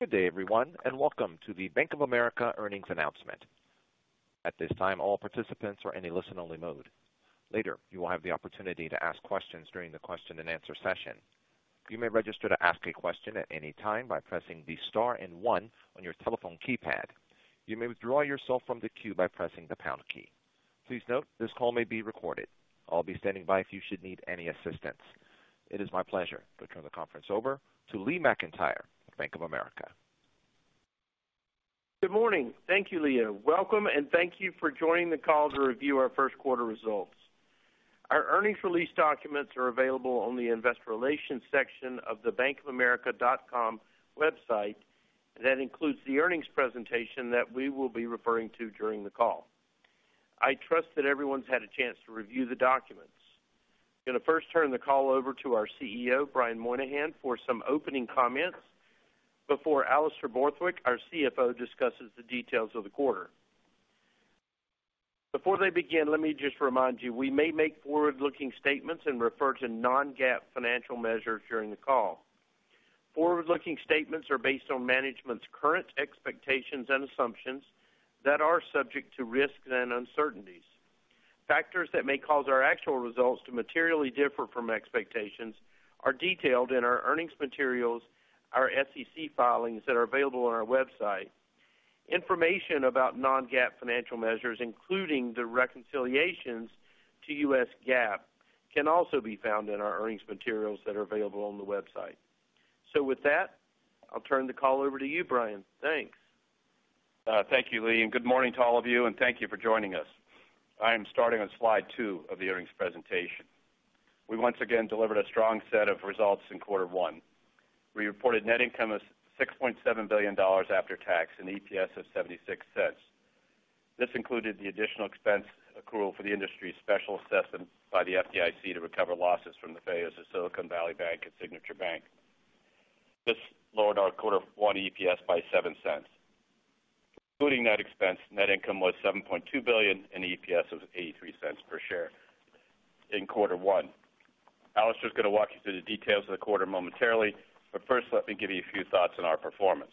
Good day everyone, and welcome to the Bank of America earnings announcement. At this time, all participants are in a listen-only mode. Later, you will have the opportunity to ask questions during the question-and-answer session. You may register to ask a question at any time by pressing the star and one on your telephone keypad. You may withdraw yourself from the queue by pressing the pound key. Please note, this call may be recorded. I'll be standing by if you should need any assistance. It is my pleasure to turn the conference over to Lee McEntire, Bank of America. Good morning. Thank you, Leah. Welcome, and thank you for joining the call to review our first quarter results. Our earnings release documents are available on the Investor Relations section of the bankofamerica.com website, and that includes the earnings presentation that we will be referring to during the call. I trust that everyone's had a chance to review the documents. I'm going to first turn the call over to our CEO, Brian Moynihan, for some opening comments before Alastair Borthwick, our CFO, discusses the details of the quarter. Before they begin, let me just remind you we may make forward-looking statements and refer to non-GAAP financial measures during the call. Forward-looking statements are based on management's current expectations and assumptions that are subject to risks and uncertainties. Factors that may cause our actual results to materially differ from expectations are detailed in our earnings materials, our SEC filings that are available on our website. Information about non-GAAP financial measures, including the reconciliations to U.S. GAAP, can also be found in our earnings materials that are available on the website. So with that, I'll turn the call over to you, Brian. Thanks. Thank you, Lee. And good morning to all of you, and thank you for joining us. I am starting on slide two of the earnings presentation. We once again delivered a strong set of results in quarter one. We reported net income of $6.7 billion after tax and EPS of $0.76. This included the additional expense accrual for the industry special assessment by the FDIC to recover losses from the failures of Silicon Valley Bank and Signature Bank. This lowered our quarter one EPS by $0.07. Including that expense, net income was $7.2 billion and EPS of $0.83 per share in quarter one. Alastair's going to walk you through the details of the quarter momentarily, but first, let me give you a few thoughts on our performance.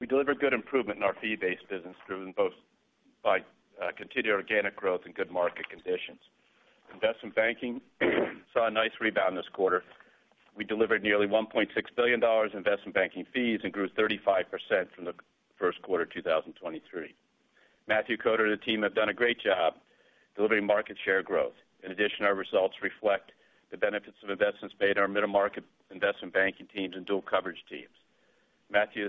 We delivered good improvement in our fee-based business, driven both by continued organic growth and good market conditions. Investment banking saw a nice rebound this quarter. We delivered nearly $1.6 billion in investment banking fees and grew 35% from the first quarter of 2023. Matthew Koder and the team have done a great job delivering market share growth. In addition, our results reflect the benefits of investments made in our middle-market investment banking teams and dual coverage teams. Matthew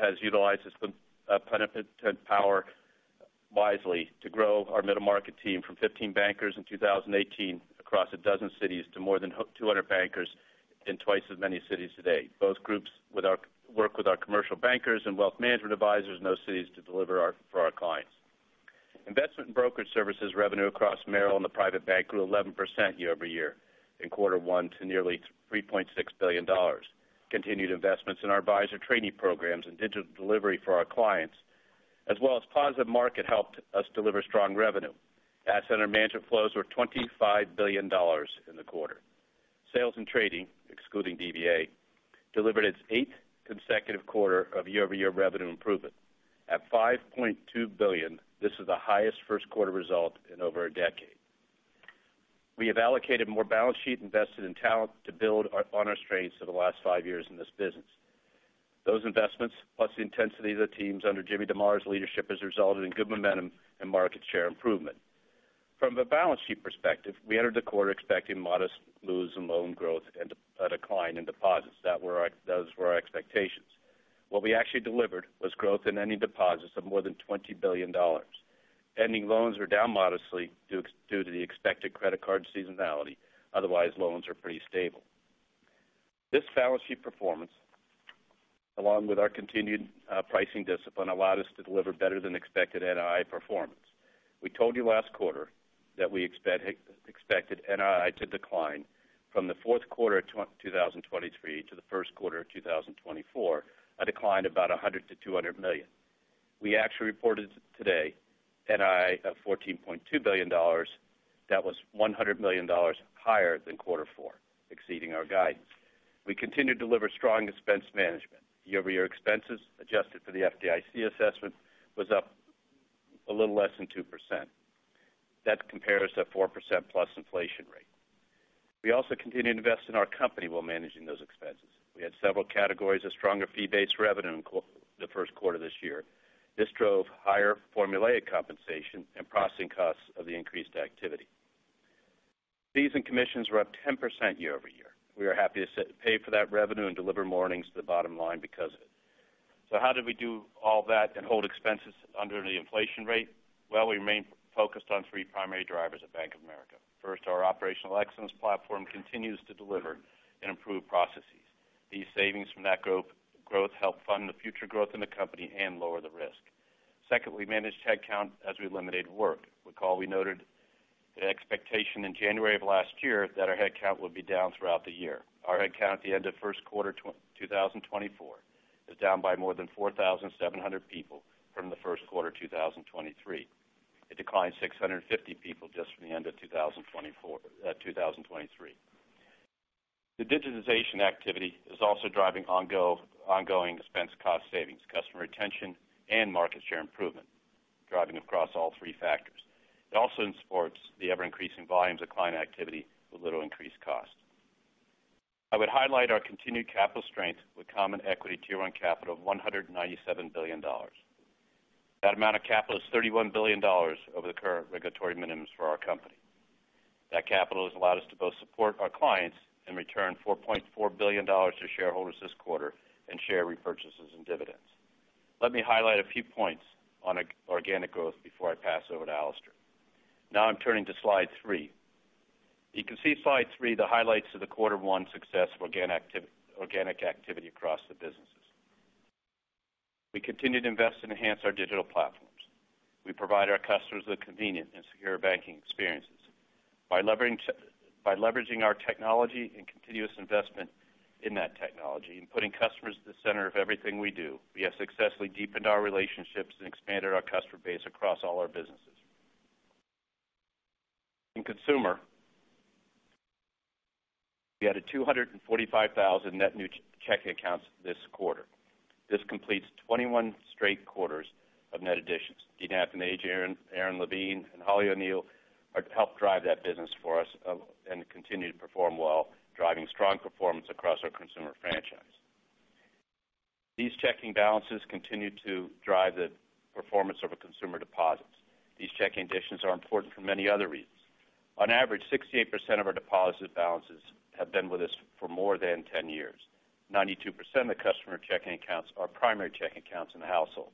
has utilized his hiring power wisely to grow our middle-market team from 15 bankers in 2018 across 12 cities to more than 200 bankers in twice as many cities today. Both groups work with our commercial bankers and Wealth Management advisors in those cities to deliver for our clients. Investment and brokerage services revenue across Merrill and the Private Bank grew 11% year-over-year in quarter one to nearly $3.6 billion. Continued investments in our advisor training programs and digital delivery for our clients, as well as positive market, helped us deliver strong revenue. Asset and management flows were $25 billion in the quarter. Sales and trading, excluding DVA, delivered its eighth consecutive quarter of year-over-year revenue improvement. At $5.2 billion, this is the highest first-quarter result in over a decade. We have allocated more balance sheet invested in talent to build on our strengths of the last five years in this business. Those investments, plus the intensity of the teams under Jim DeMare's leadership, has resulted in good momentum and market share improvement. From a balance sheet perspective, we entered the quarter expecting modest moves in loan growth and a decline in deposits. Those were our expectations. What we actually delivered was growth in ending deposits of more than $20 billion. Ending loans were down modestly due to the expected credit card seasonality. Otherwise, loans were pretty stable. This balance sheet performance, along with our continued pricing discipline, allowed us to deliver better-than-expected NII performance. We told you last quarter that we expected NII to decline from the fourth quarter of 2023 to the first quarter of 2024, a decline of about $100-$200 million. We actually reported today NII of $14.2 billion. That was $100 million higher than quarter four, exceeding our guidance. We continued to deliver strong expense management. Year-over-year expenses adjusted for the FDIC assessment was up a little less than 2%. That compares to a 4%+ inflation rate. We also continued to invest in our company while managing those expenses. We had several categories of stronger fee-based revenue in the first quarter this year. This drove higher formulaic compensation and processing costs of the increased activity. Fees and commissions were up 10% year-over-year. We are happy to pay for that revenue and deliver margins to the bottom line because of it. So how did we do all that and hold expenses under the inflation rate? Well, we remained focused on three primary drivers at Bank of America. First, our Operational Excellence platform continues to deliver and improve processes. These savings from that growth help fund the future growth in the company and lower the risk. Second, we managed headcount as we eliminated work. Recall, we noted an expectation in January of last year that our headcount would be down throughout the year. Our headcount at the end of first quarter 2024 is down by more than 4,700 people from the first quarter of 2023. It declined 650 people just from the end of 2023. The digitization activity is also driving ongoing expense cost savings, customer retention, and market share improvement, driving across all 3 factors. It also supports the ever-increasing volumes of client activity with little increased cost. I would highlight our continued capital strength with common equity Tier 1 capital of $197 billion. That amount of capital is $31 billion over the current regulatory minimums for our company. That capital has allowed us to both support our clients and return $4.4 billion to shareholders this quarter in share repurchases and dividends. Let me highlight a few points on organic growth before I pass over to Alastair. Now I'm turning to slide 3. You can see slide 3, the highlights of the quarter 1 success of organic activity across the businesses. We continued to invest and enhance our digital platforms. We provide our customers with convenient and secure banking experiences. By leveraging our technology and continuous investment in that technology and putting customers at the center of everything we do, we have successfully deepened our relationships and expanded our customer base across all our businesses. In consumer, we added 245,000 net new checking accounts this quarter. This completes 21 straight quarters of net additions. Dean Athanasia, Aron Levine, and Holly O'Neill helped drive that business for us and continue to perform well, driving strong performance across our consumer franchise. These checking balances continue to drive the performance of our consumer deposits. These checking additions are important for many other reasons. On average, 68% of our deposited balances have been with us for more than 10 years. 92% of the customer checking accounts are primary checking accounts in the household,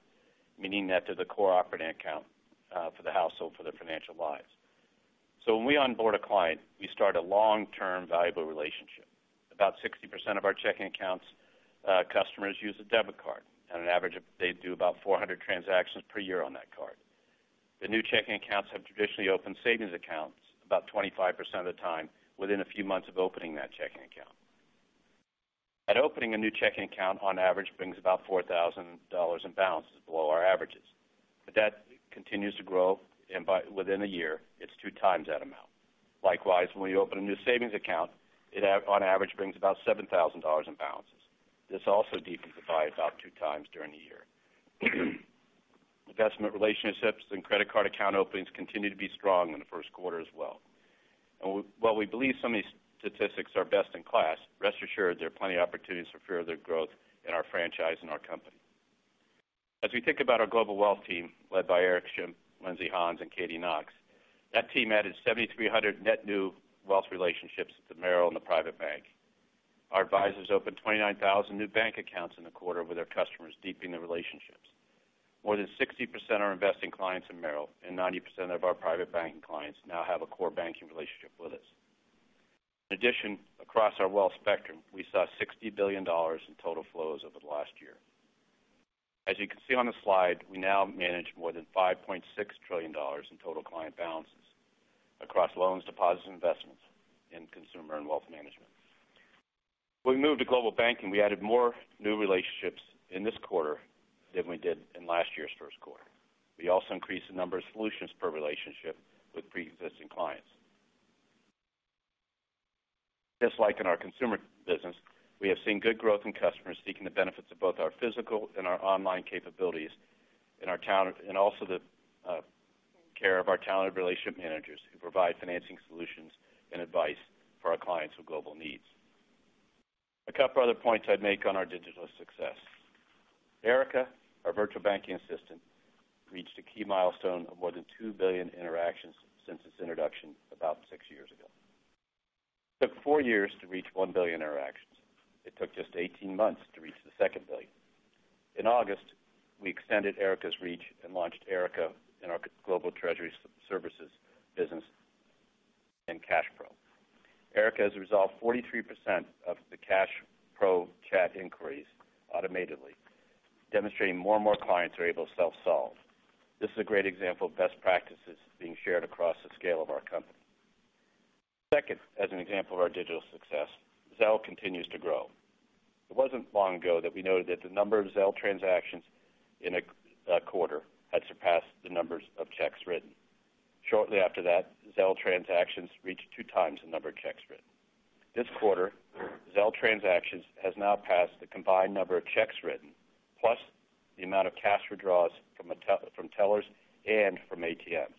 meaning that they're the cooperative account for the household for their financial lives. So when we onboard a client, we start a long-term valuable relationship. About 60% of our checking accounts customers use a debit card, and on average, they do about 400 transactions per year on that card. The new checking accounts have traditionally opened savings accounts about 25% of the time within a few months of opening that checking account. At opening, a new checking account, on average, brings about $4,000 in balance. It's below our averages. But that continues to grow, and within a year, it's two times that amount. Likewise, when we open a new savings account, it, on average, brings about $7,000 in balances. This also deepens the buy about two times during the year. Investment relationships and credit card account openings continue to be strong in the first quarter as well. While we believe some of these statistics are best in class, rest assured there are plenty of opportunities for further growth in our franchise and our company. As we think about our global wealth team led by Eric Schimpf, Lindsay Hans, and Katy Knox, that team added 7,300 net new wealth relationships at the Merrill and the Private Bank. Our advisors opened 29,000 new bank accounts in the quarter with our customers, deepening the relationships. More than 60% are investing clients in Merrill, and 90% of our Private Banking clients now have a core banking relationship with us. In addition, across our wealth spectrum, we saw $60 billion in total flows over the last year. As you can see on the slide, we now manage more than $5.6 trillion in total client balances across loans, deposits, investments, and consumer and Wealth Management. When we moved to Global Banking, we added more new relationships in this quarter than we did in last year's first quarter. We also increased the number of solutions per relationship with pre-existing clients. Just like in our consumer business, we have seen good growth in customers seeking the benefits of both our physical and our online capabilities and also the care of our talented relationship managers who provide financing solutions and advice for our clients with global needs. A couple of other points I'd make on our digital success. Erica, our virtual banking assistant, reached a key milestone of more than two billion interactions since its introduction about six years ago. It took four years to reach one billion interactions. It took just 18 months to reach the second billion. In August, we extended Erica's reach and launched Erica in our Global Treasury Services business and CashPro. Erica has resolved 43% of the CashPro chat inquiries automatically, demonstrating more and more clients are able to self-solve. This is a great example of best practices being shared across the scale of our company. Second, as an example of our digital success, Zelle continues to grow. It wasn't long ago that we noted that the number of Zelle transactions in a quarter had surpassed the numbers of checks written. Shortly after that, Zelle transactions reached two times the number of checks written. This quarter, Zelle transactions has now passed the combined number of checks written plus the amount of cash withdrawals from tellers and from ATMs.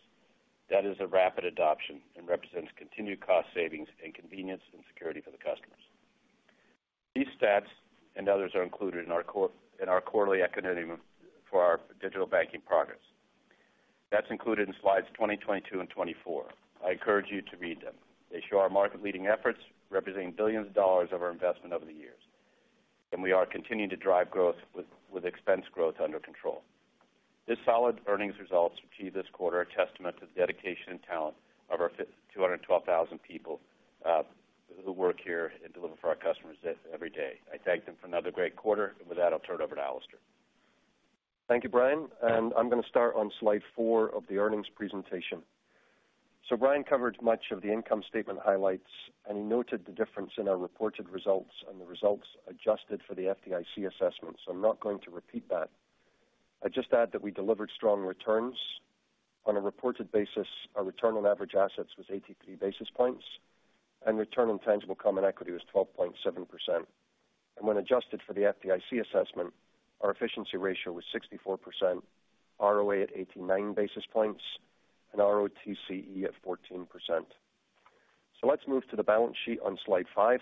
That is a rapid adoption and represents continued cost savings and convenience and security for the customers. These stats and others are included in our quarterly acronym for our digital banking progress. That's included in slides 22 and 24. I encourage you to read them. They show our market-leading efforts, representing billions of dollars of our investment over the years. We are continuing to drive growth with expense growth under control. This solid earnings results achieved this quarter are a testament to the dedication and talent of our 212,000 people who work here and deliver for our customers every day. I thank them for another great quarter. With that, I'll turn it over to Alastair. Thank you, Brian. I'm going to start on slide four of the earnings presentation. Brian covered much of the income statement highlights, and he noted the difference in our reported results and the results adjusted for the FDIC assessment. I'm not going to repeat that. I'd just add that we delivered strong returns. On a reported basis, our return on average assets was 83 basis points, and return on tangible common equity was 12.7%. And when adjusted for the FDIC assessment, our efficiency ratio was 64%, ROA at 89 basis points, and ROTCE at 14%. So let's move to the balance sheet on slide five,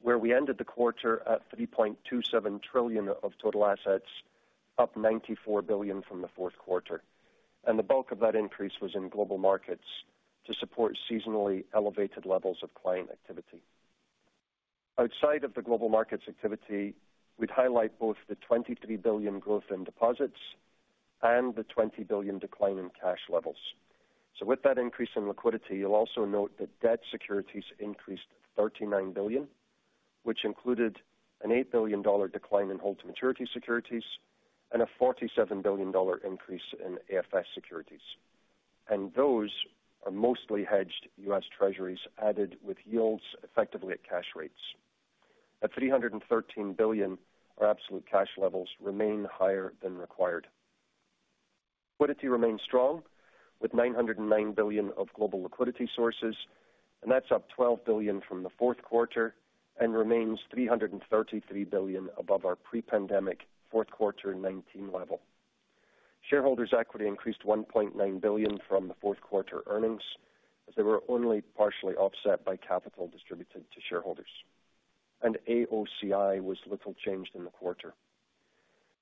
where we ended the quarter at $3.27 trillion of total assets, up $94 billion from the fourth quarter. And the bulk of that increase was in Global Markets to support seasonally elevated levels of client activity. Outside of the Global Markets activity, we'd highlight both the $23 billion growth in deposits and the $20 billion decline in cash levels. So with that increase in liquidity, you'll also note that debt securities increased $39 billion, which included an $8 billion decline in hold-to-maturity securities and a $47 billion increase in AFS securities. Those are mostly hedged U.S. Treasuries added with yields effectively at cash rates. At $313 billion, our absolute cash levels remain higher than required. Liquidity remains strong with $909 billion of global liquidity sources, and that's up $12 billion from the fourth quarter and remains $333 billion above our pre-pandemic fourth-quarter 2019 level. Shareholders' equity increased $1.9 billion from the fourth-quarter earnings as they were only partially offset by capital distributed to shareholders. And AOCI was little changed in the quarter.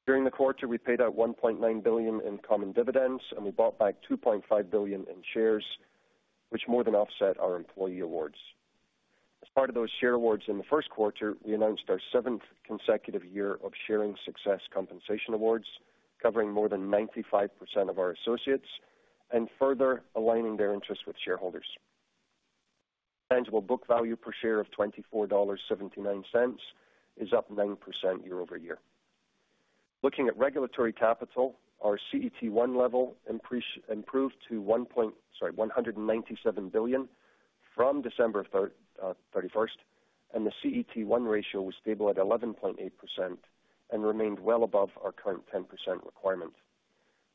During the quarter, we paid out $1.9 billion in common dividends, and we bought back $2.5 billion in shares, which more than offset our employee awards. As part of those share awards in the first quarter, we announced our seventh consecutive year of Sharing Success compensation awards, covering more than 95% of our associates and further aligning their interests with shareholders. Tangible book value per share of $24.79 is up 9% year-over-year. Looking at regulatory capital, our CET1 level improved to $197 billion from December 31st, and the CET1 ratio was stable at 11.8% and remained well above our current 10% requirement.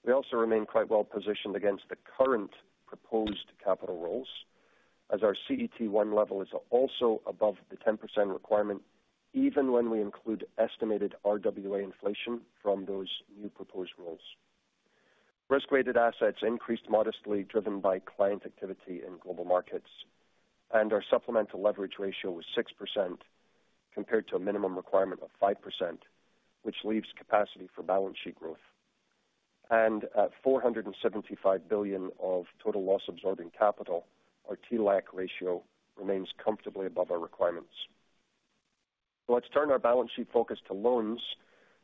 We also remain quite well positioned against the current proposed capital rules as our CET1 level is also above the 10% requirement even when we include estimated RWA inflation from those new proposed rules. Risk-weighted assets increased modestly, driven by client activity in Global Markets. And our supplemental leverage ratio was 6% compared to a minimum requirement of 5%, which leaves capacity for balance sheet growth. And at $475 billion of total loss-absorbing capital, our TLAC ratio remains comfortably above our requirements. So let's turn our balance sheet focus to loans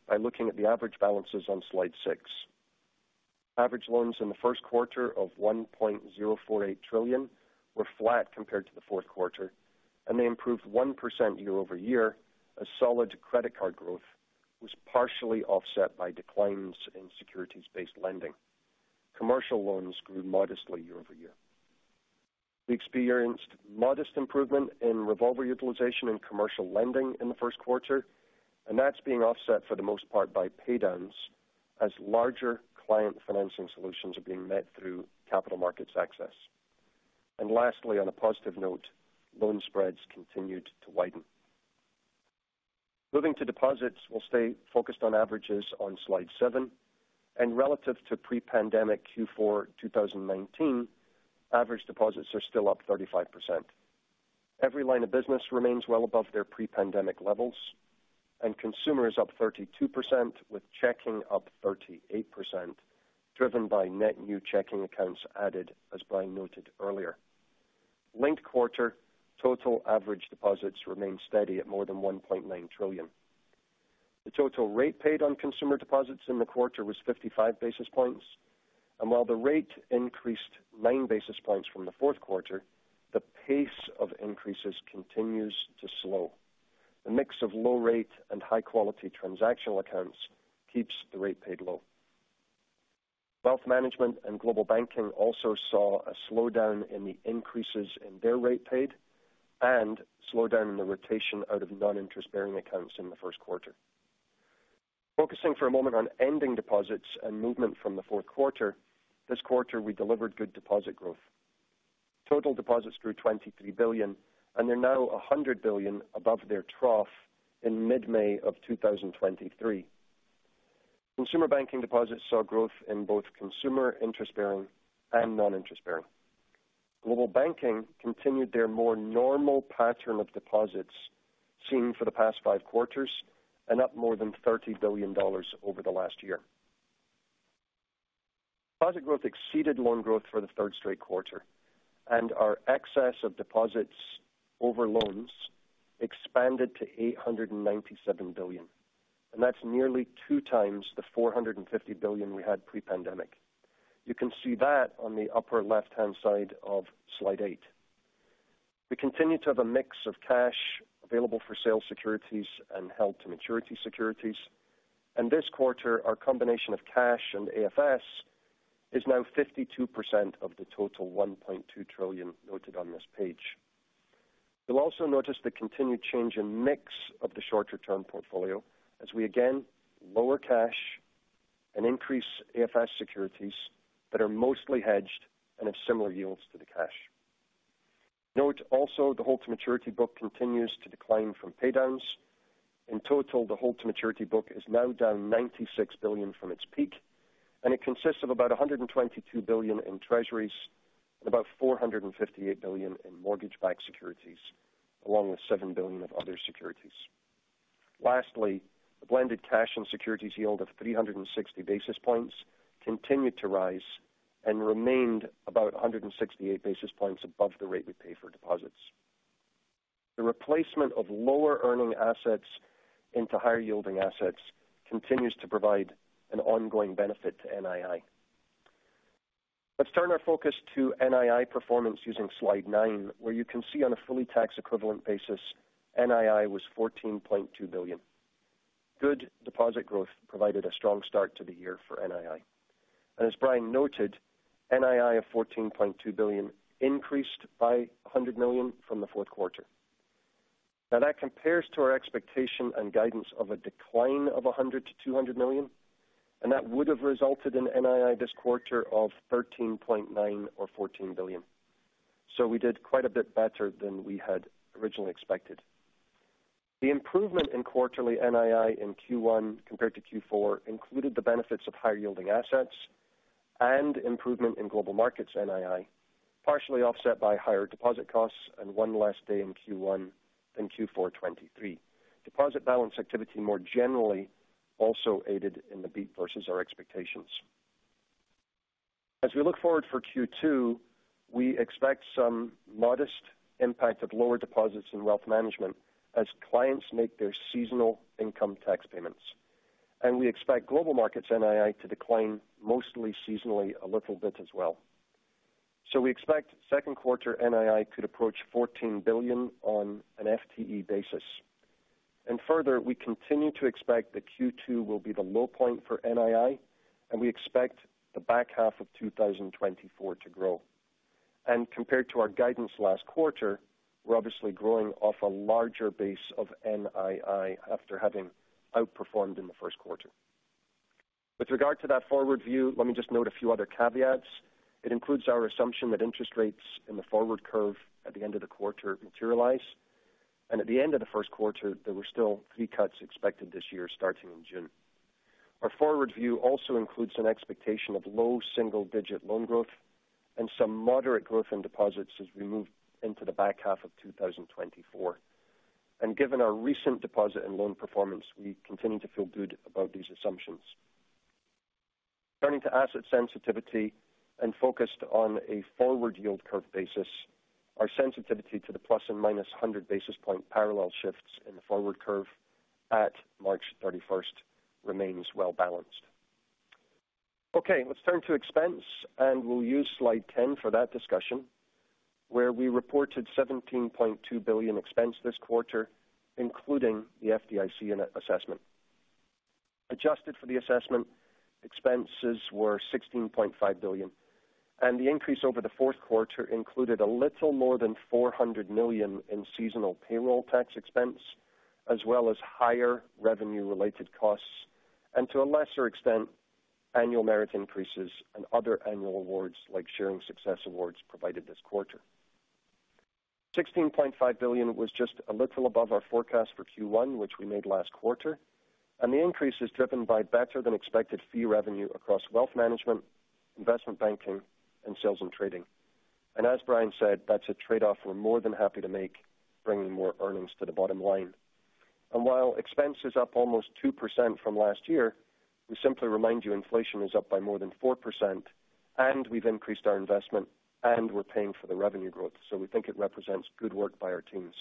by looking at the average balances on slide six. Average loans in the first quarter of $1.048 trillion were flat compared to the fourth quarter, and they improved 1% year-over-year as solid credit card growth was partially offset by declines in securities-based lending. Commercial loans grew modestly year-over-year. We experienced modest improvement in revolver utilization in commercial lending in the first quarter, and that's being offset for the most part by paydowns as larger client financing solutions are being met through capital markets access. And lastly, on a positive note, loan spreads continued to widen. Moving to deposits, we'll stay focused on averages on slide seven. And relative to pre-pandemic Q4 2019, average deposits are still up 35%. Every line of business remains well above their pre-pandemic levels, and consumer is up 32% with checking up 38%, driven by net new checking accounts added, as Brian noted earlier. Linked quarter, total average deposits remain steady at more than $1.9 trillion. The total rate paid on consumer deposits in the quarter was 55 basis points. And while the rate increased 9 basis points from the fourth quarter, the pace of increases continues to slow. The mix of low-rate and high-quality transactional accounts keeps the rate paid low. Wealth Management and Global Banking also saw a slowdown in the increases in their rate paid and slowdown in the rotation out of non-interest-bearing accounts in the first quarter. Focusing for a moment on ending deposits and movement from the fourth quarter, this quarter, we delivered good deposit growth. Total deposits grew $23 billion, and they're now $100 billion above their trough in mid-May of 2023. Consumer Banking deposits saw growth in both consumer interest-bearing and non-interest-bearing. Global Banking continued their more normal pattern of deposits seen for the past 5 quarters and up more than $30 billion over the last year. Deposit growth exceeded loan growth for the 3rd straight quarter, and our excess of deposits over loans expanded to $897 billion. That's nearly 2 times the $450 billion we had pre-pandemic. You can see that on the upper left-hand side of slide 8. We continue to have a mix of cash available for sale securities and held-to-maturity securities. This quarter, our combination of cash and AFS is now 52% of the total $1.2 trillion noted on this page. You'll also notice the continued change in mix of the short-term portfolio as we again lower cash and increase AFS securities that are mostly hedged and have similar yields to the cash. Note also the hold-to-maturity book continues to decline from paydowns. In total, the hold-to-maturity book is now down $96 billion from its peak, and it consists of about $122 billion in treasuries and about $458 billion in mortgage-backed securities, along with $7 billion of other securities. Lastly, the blended cash and securities yield of 360 basis points continued to rise and remained about 168 basis points above the rate we pay for deposits. The replacement of lower-earning assets into higher-yielding assets continues to provide an ongoing benefit to NII. Let's turn our focus to NII performance using slide 9, where you can see on a fully tax-equivalent basis, NII was $14.2 billion. Good deposit growth provided a strong start to the year for NII. And as Brian noted, NII of $14.2 billion increased by $100 million from the fourth quarter. Now, that compares to our expectation and guidance of a decline of $100 million-$200 million, and that would have resulted in NII this quarter of $13.9 billion or $14 billion. So we did quite a bit better than we had originally expected. The improvement in quarterly NII in Q1 compared to Q4 2023 included the benefits of higher-yielding assets and improvement in Global Markets NII, partially offset by higher deposit costs and one less day in Q1 than Q4 2023. Deposit balance activity more generally also aided in the beat versus our expectations. As we look forward for Q2, we expect some modest impact of lower deposits in Wealth Management as clients make their seasonal income tax payments. We expect Global Markets NII to decline mostly seasonally a little bit as well. So we expect second quarter NII could approach $14 billion on an FTE basis. Further, we continue to expect that Q2 will be the low point for NII, and we expect the back half of 2024 to grow. Compared to our guidance last quarter, we're obviously growing off a larger base of NII after having outperformed in the first quarter. With regard to that forward view, let me just note a few other caveats. It includes our assumption that interest rates in the forward curve at the end of the quarter materialize. At the end of the first quarter, there were still 3 cuts expected this year starting in June. Our forward view also includes an expectation of low single-digit loan growth and some moderate growth in deposits as we move into the back half of 2024. Given our recent deposit and loan performance, we continue to feel good about these assumptions. Turning to asset sensitivity and focused on a forward yield curve basis, our sensitivity to the plus and minus 100 basis points parallel shifts in the forward curve at March 31st remains well balanced. Okay, let's turn to expense, and we'll use slide 10 for that discussion, where we reported $17.2 billion expense this quarter, including the FDIC assessment. Adjusted for the assessment, expenses were $16.5 billion. The increase over the fourth quarter included a little more than $400 million in seasonal payroll tax expense as well as higher revenue-related costs and, to a lesser extent, annual merit increases and other annual awards like Sharing Success awards provided this quarter. $16.5 billion was just a little above our forecast for Q1, which we made last quarter. The increase is driven by better-than-expected fee revenue across Wealth Management, investment banking, and sales and trading. As Brian said, that's a trade-off we're more than happy to make, bringing more earnings to the bottom line. While expense is up almost 2% from last year, we simply remind you inflation is up by more than 4%, and we've increased our investment, and we're paying for the revenue growth. We think it represents good work by our teams.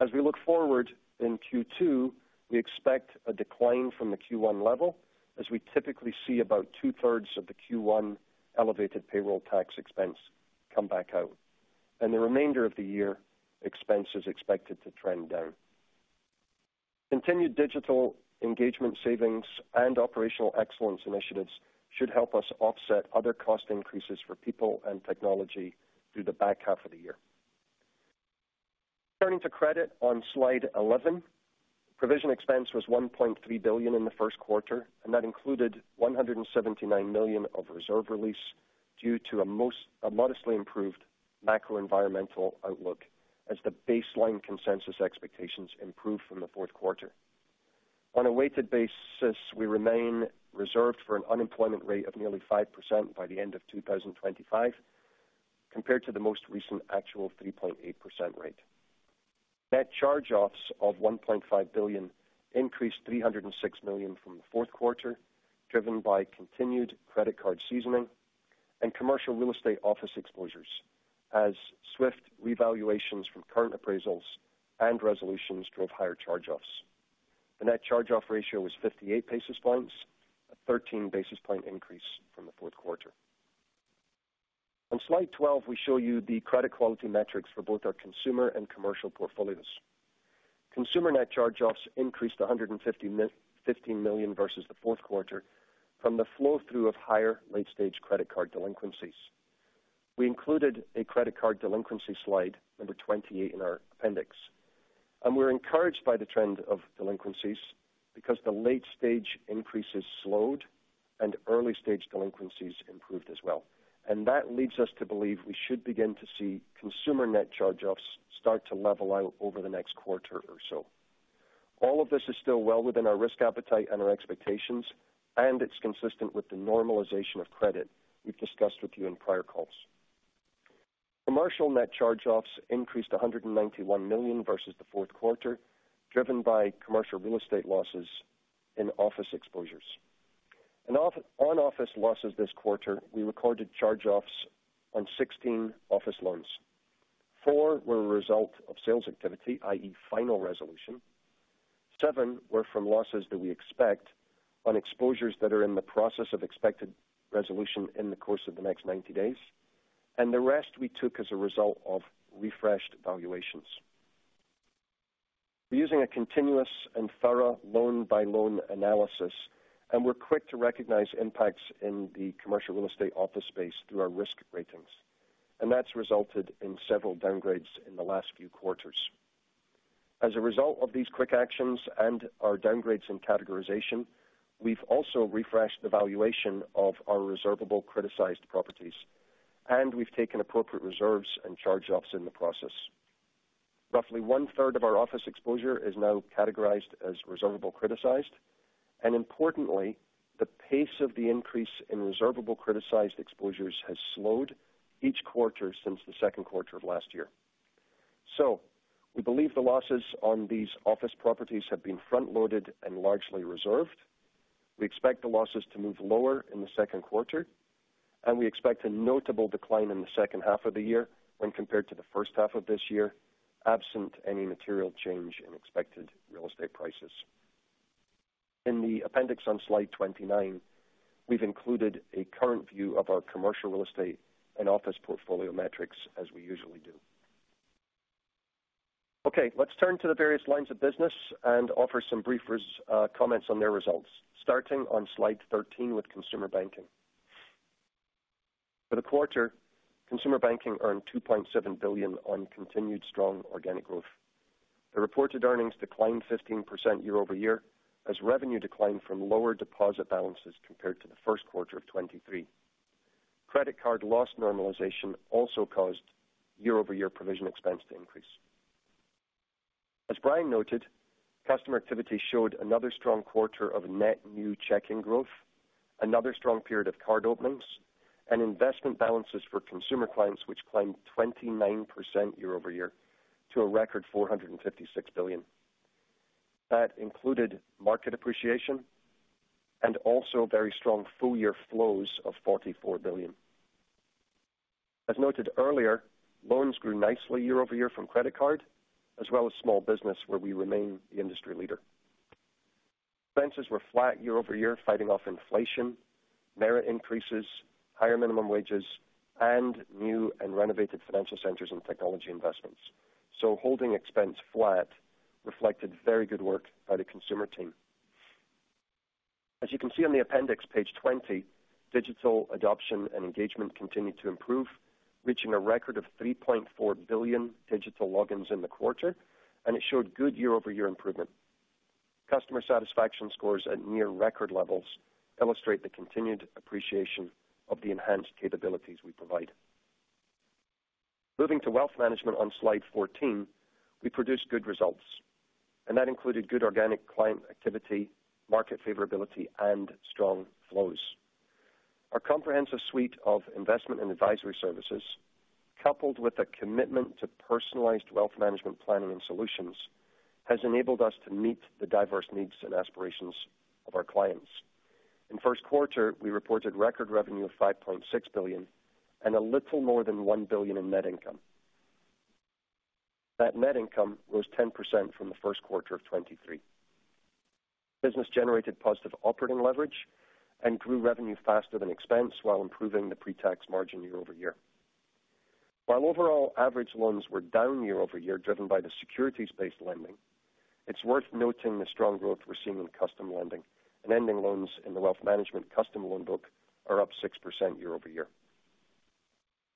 As we look forward in Q2, we expect a decline from the Q1 level as we typically see about two-thirds of the Q1 elevated payroll tax expense come back out. The remainder of the year, expense is expected to trend down. Continued digital engagement savings and operational excellence initiatives should help us offset other cost increases for people and technology through the back half of the year. Turning to credit on slide 11, provision expense was $1.3 billion in the first quarter, and that included $179 million of reserve release due to a modestly improved macro-environmental outlook as the baseline consensus expectations improved from the fourth quarter. On a weighted basis, we remain reserved for an unemployment rate of nearly 5% by the end of 2025 compared to the most recent actual 3.8% rate. Net charge-offs of $1.5 billion increased $306 million from the fourth quarter, driven by continued credit card seasoning and commercial real estate office exposures as swift revaluations from current appraisals and resolutions drove higher charge-offs. The net charge-off ratio was 58 basis points, a 13-basis-point increase from the fourth quarter. On slide 12, we show you the credit quality metrics for both our consumer and commercial portfolios. Consumer net charge-offs increased $115 million versus the fourth quarter from the flow-through of higher late-stage credit card delinquencies. We included a credit card delinquency slide, number 28, in our appendix. We're encouraged by the trend of delinquencies because the late-stage increases slowed and early-stage delinquencies improved as well. That leads us to believe we should begin to see consumer net charge-offs start to level out over the next quarter or so. All of this is still well within our risk appetite and our expectations, and it's consistent with the normalization of credit we've discussed with you in prior calls. Commercial net charge-offs increased $191 million versus the fourth quarter, driven by commercial real estate losses in office exposures. In non-office losses this quarter, we recorded charge-offs on 16 office loans. Four were a result of sales activity, i.e., final resolution. Seven were from losses that we expect on exposures that are in the process of expected resolution in the course of the next 90 days. The rest we took as a result of refreshed valuations. We're using a continuous and thorough loan-by-loan analysis, and we're quick to recognize impacts in the commercial real estate office space through our risk ratings. That's resulted in several downgrades in the last few quarters. As a result of these quick actions and our downgrades in categorization, we've also refreshed the valuation of our reservable criticized properties, and we've taken appropriate reserves and charge-offs in the process. Roughly one-third of our office exposure is now categorized as reservable criticized. Importantly, the pace of the increase in reservable criticized exposures has slowed each quarter since the second quarter of last year. So we believe the losses on these office properties have been front-loaded and largely reserved. We expect the losses to move lower in the second quarter. We expect a notable decline in the second half of the year when compared to the first half of this year, absent any material change in expected real estate prices. In the appendix on slide 29, we've included a current view of our commercial real estate and office portfolio metrics as we usually do. Okay, let's turn to the various lines of business and offer some brief comments on their results, starting on slide 13 with Consumer Banking. For the quarter, Consumer Banking earned $2.7 billion on continued strong organic growth. The reported earnings declined 15% year-over-year as revenue declined from lower deposit balances compared to the first quarter of 2023. Credit card loss normalization also caused year-over-year provision expense to increase. As Brian noted, customer activity showed another strong quarter of net new checking growth, another strong period of card openings, and investment balances for consumer clients which climbed 29% year over year to a record $456 billion. That included market appreciation and also very strong full-year flows of $44 billion. As noted earlier, loans grew nicely year over year from credit card as well as small business, where we remain the industry leader. Expenses were flat year over year, fighting off inflation, merit increases, higher minimum wages, and new and renovated Financial Centers and technology investments. Holding expense flat reflected very good work by the consumer team. As you can see on the appendix, page 20, digital adoption and engagement continued to improve, reaching a record of 3.4 billion digital logins in the quarter. It showed good year-over-year improvement. Customer satisfaction scores at near-record levels illustrate the continued appreciation of the enhanced capabilities we provide. Moving to Wealth Management on slide 14, we produced good results. That included good organic client activity, market favorability, and strong flows. Our comprehensive suite of investment and advisory services, coupled with a commitment to personalized Wealth Management planning and solutions, has enabled us to meet the diverse needs and aspirations of our clients. In first quarter, we reported record revenue of $5.6 billion and a little more than $1 billion in net income. That net income rose 10% from the first quarter of 2023. Business generated positive operating leverage and grew revenue faster than expense while improving the pre-tax margin year-over-year. While overall average loans were down year-over-year driven by the securities-based lending, it's worth noting the strong growth we're seeing in custom lending. Ending loans in the Wealth Management custom loan book are up 6% year over year.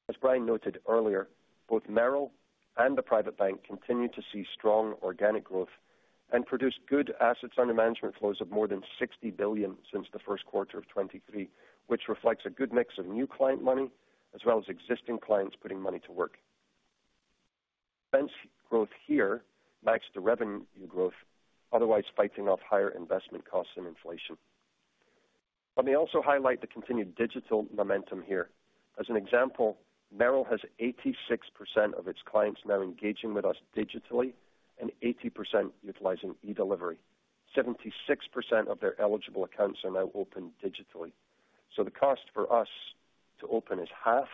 As Brian noted earlier, both Merrill and the Private Bank continue to see strong organic growth and produce good assets under management flows of more than $60 billion since the first quarter of 2023, which reflects a good mix of new client money as well as existing clients putting money to work. Expense growth here matched the revenue growth, otherwise fighting off higher investment costs and inflation. Let me also highlight the continued digital momentum here. As an example, Merrill has 86% of its clients now engaging with us digitally and 80% utilizing e-delivery. 76% of their eligible accounts are now open digitally. So the cost for us to open is half,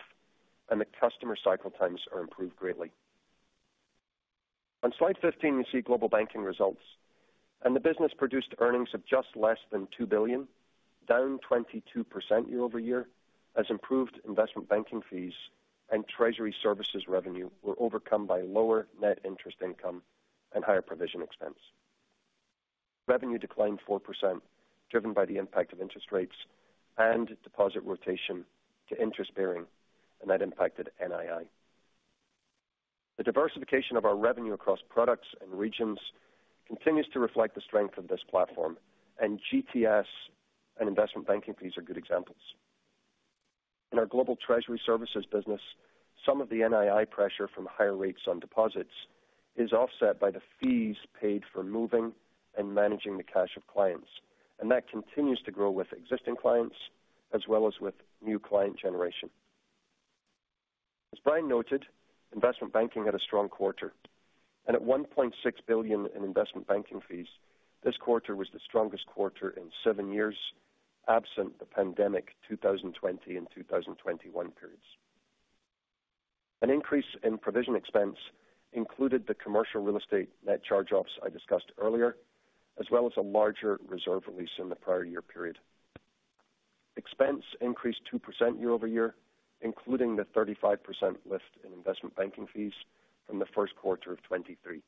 and the customer cycle times are improved greatly. On slide 15, you see Global Banking results. The business produced earnings of just less than $2 billion, down 22% year-over-year as improved Investment Banking fees and Treasury Services revenue were overcome by lower net interest income and higher provision expense. Revenue declined 4% driven by the impact of interest rates and deposit rotation to interest bearing. That impacted NII. The diversification of our revenue across products and regions continues to reflect the strength of this platform. GTS and Investment Banking fees are good examples. In our global treasury services business, some of the NII pressure from higher rates on deposits is offset by the fees paid for moving and managing the cash of clients. And that continues to grow with existing clients as well as with new client generation. As Brian noted, investment banking had a strong quarter. And at $1.6 billion in investment banking fees, this quarter was the strongest quarter in 7 years absent the pandemic 2020 and 2021 periods. An increase in provision expense included the commercial real estate net charge-offs I discussed earlier as well as a larger reserve release in the prior year period. Expense increased 2% year over year, including the 35% lift in investment banking fees from the first quarter of 2023.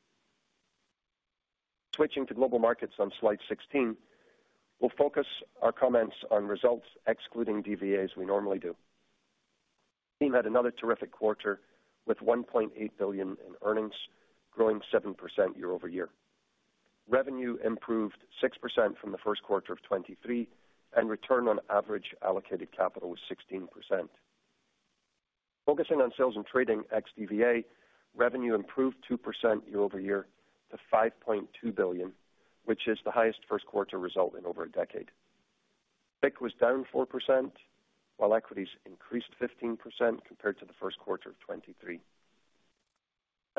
Switching to Global Markets on slide 16, we'll focus our comments on results excluding DVAs we normally do. The team had another terrific quarter with $1.8 billion in earnings, growing 7% year over year. Revenue improved 6% from the first quarter of 2023, and return on average allocated capital was 16%. Focusing on sales and trading ex-DVA, revenue improved 2% year-over-year to $5.2 billion, which is the highest first-quarter result in over a decade. FICC was down 4%, while equities increased 15% compared to the first quarter of 2023.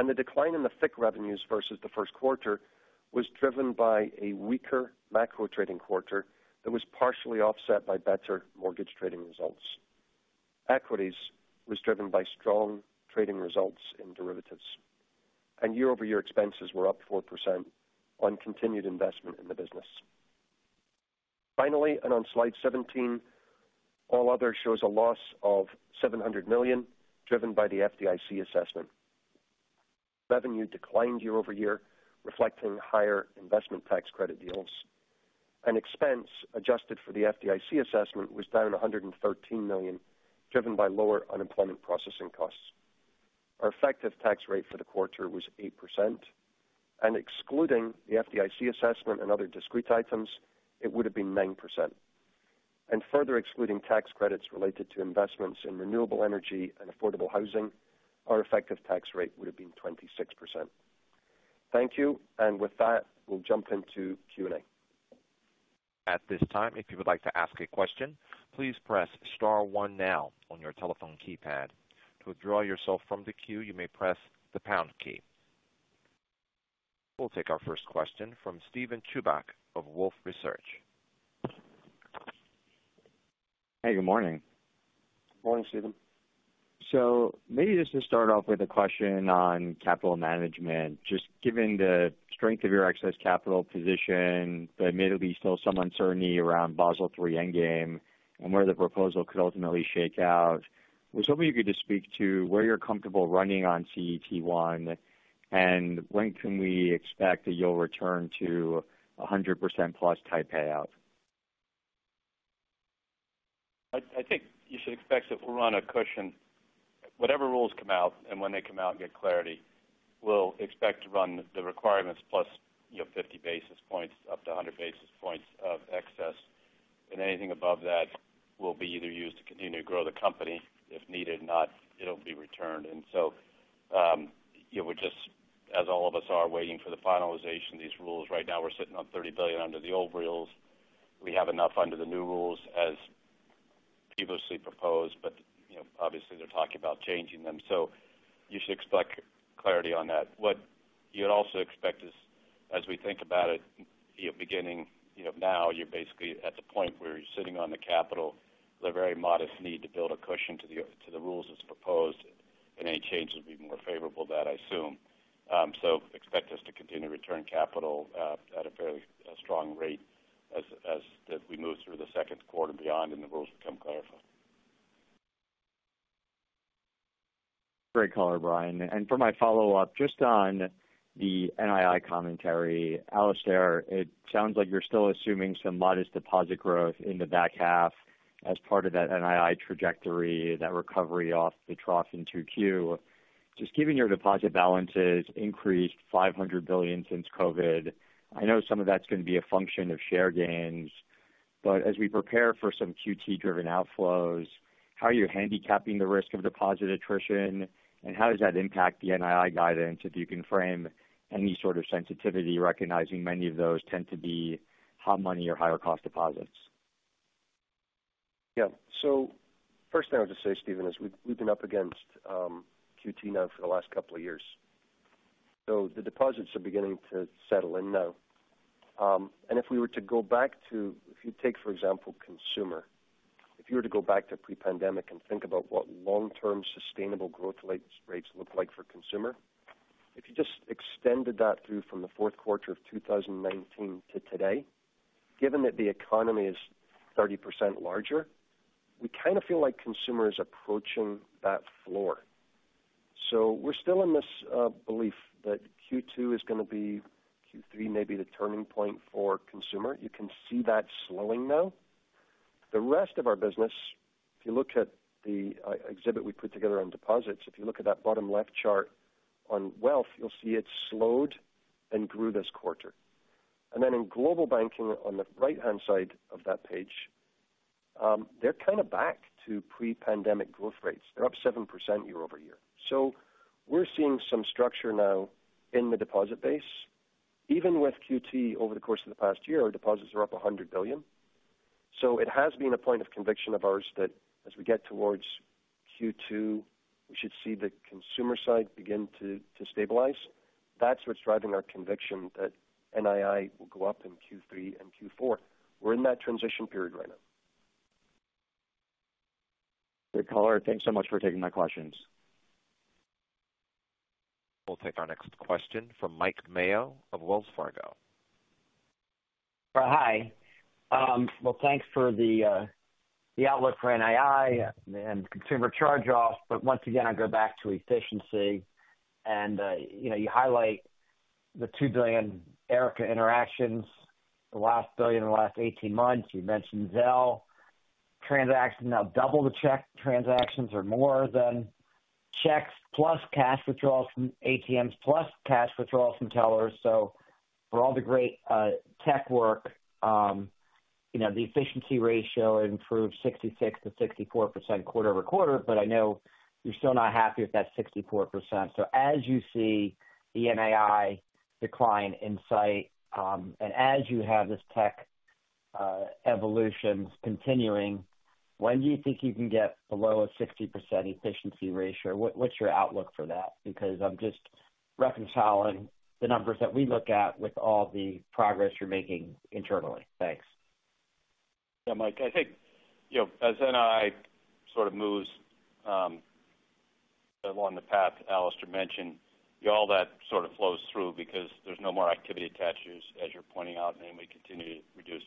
The decline in the FICC revenues versus the first quarter was driven by a weaker macro trading quarter that was partially offset by better mortgage trading results. Equities was driven by strong trading results in derivatives. Year-over-year expenses were up 4% on continued investment in the business. Finally, on slide 17, all other shows a loss of $700 million driven by the FDIC assessment. Revenue declined year-over-year, reflecting higher investment tax credit deals. Expense adjusted for the FDIC assessment was down $113 million, driven by lower unemployment processing costs. Our effective tax rate for the quarter was 8%. And excluding the FDIC assessment and other discrete items, it would have been 9%. And further excluding tax credits related to investments in renewable energy and affordable housing, our effective tax rate would have been 26%. Thank you. And with that, we'll jump into Q&A. At this time, if you would like to ask a question, please press star one now on your telephone keypad. To withdraw yourself from the queue, you may press the pound key. We'll take our first question from Steven Chubak of Wolfe Research. Hey, good morning. Good morning, Steven. So maybe just to start off with a question on capital management. Just given the strength of your excess capital position, there may still be some uncertainty around Basel III Endgame and where the proposal could ultimately shake out. Would somebody be good to speak to where you're comfortable running on CET1, and when can we expect that you'll return to 100%-plus tight payout? I think you should expect that we'll run a cushion. Whatever rules come out, and when they come out and get clarity, we'll expect to run the requirements plus 50 basis points up to 100 basis points of excess. And anything above that will be either used to continue to grow the company if needed. If not, it'll be returned. And so we're just, as all of us are, waiting for the finalization of these rules. Right now, we're sitting on $30 billion under the old rules. We have enough under the new rules as previously proposed. But obviously, they're talking about changing them. So you should expect clarity on that. What you'd also expect is, as we think about it, beginning now, you're basically at the point where you're sitting on the capital with a very modest need to build a cushion to the rules that's proposed. And any change would be more favorable to that, I assume. So expect us to continue to return capital at a fairly strong rate as we move through the second quarter beyond and the rules become clarified. Great caller, Brian. And for my follow-up just on the NII commentary, Alastair, it sounds like you're still assuming some modest deposit growth in the back half as part of that NII trajectory, that recovery off the trough in Q2. Just given your deposit balances increased $500 billion since COVID, I know some of that's going to be a function of share gains. But as we prepare for some Q2-driven outflows, how are you handicapping the risk of deposit attrition? And how does that impact the NII guidance? If you can frame any sort of sensitivity, recognizing many of those tend to be hot money or higher-cost deposits. Yeah. So first thing I would just say, Steven, is we've been up against Q2 now for the last couple of years. So the deposits are beginning to settle in now. And if we were to go back to, if you take, for example, consumer, if you were to go back to pre-pandemic and think about what long-term sustainable growth rates look like for consumer, if you just extended that through from the fourth quarter of 2019 to today, given that the economy is 30% larger, we kind of feel like consumer is approaching that floor. So we're still in this belief that Q2 is going to be, Q3 may be the turning point for consumer. You can see that slowing now. The rest of our business, if you look at the exhibit we put together on deposits, if you look at that bottom left chart on wealth, you'll see it slowed and grew this quarter. And then in Global Banking on the right-hand side of that page, they're kind of back to pre-pandemic growth rates. They're up 7% year-over-year. So we're seeing some structure now in the deposit base. Even with Q2 over the course of the past year, our deposits are up $100 billion. So it has been a point of conviction of ours that as we get towards Q2, we should see the consumer side begin to stabilize. That's what's driving our conviction that NII will go up in Q3 and Q4. We're in that transition period right now. Great caller. Thanks so much for taking my questions. We'll take our next question from Mike Mayo of Wells Fargo. Hi. Well, thanks for the outlook for NII and consumer charge-offs. But once again, I'll go back to efficiency. And you highlight the 2 billion ERICA interactions, the last billion in the last 18 months. You mentioned Zelle transactions. Now, digital check transactions are more than checks plus cash withdrawals from ATMs plus cash withdrawals from tellers. So for all the great tech work, the efficiency ratio improved 66%-64% quarter-over-quarter. But I know you're still not happy with that 64%. So as you see the NII decline in sight and as you have this tech evolution continuing, when do you think you can get below a 60% efficiency ratio? What's your outlook for that? Because I'm just reconciling the numbers that we look at with all the progress you're making internally. Thanks. Yeah, Mike. I think as NII sort of moves along the path Alastair mentioned, all that sort of flows through because there's no more activity attaches, as you're pointing out. And then we continue to reduce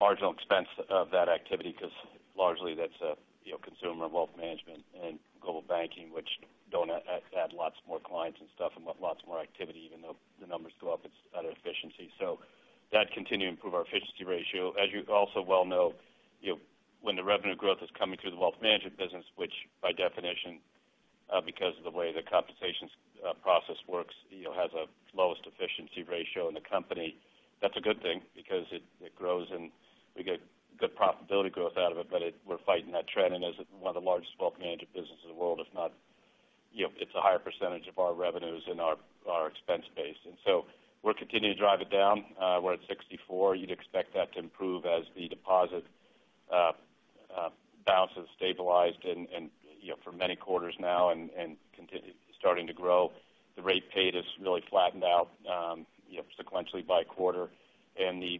marginal expense of that activity because largely, that's consumer and Wealth Management and Global Banking, which don't add lots more clients and stuff and lots more activity. Even though the numbers go up, it's out of efficiency. So that continues to improve our efficiency ratio. As you also well know, when the revenue growth is coming through the Wealth Management business, which by definition, because of the way the compensation process works, has a lowest efficiency ratio in the company, that's a good thing because it grows, and we get good profitability growth out of it. But we're fighting that trend. And as one of the largest Wealth Management businesses in the world, if not, it's a higher percentage of our revenues in our expense base. And so we're continuing to drive it down. We're at 64. You'd expect that to improve as the deposit balance is stabilized for many quarters now and starting to grow. The rate paid is really flattened out sequentially by quarter. And the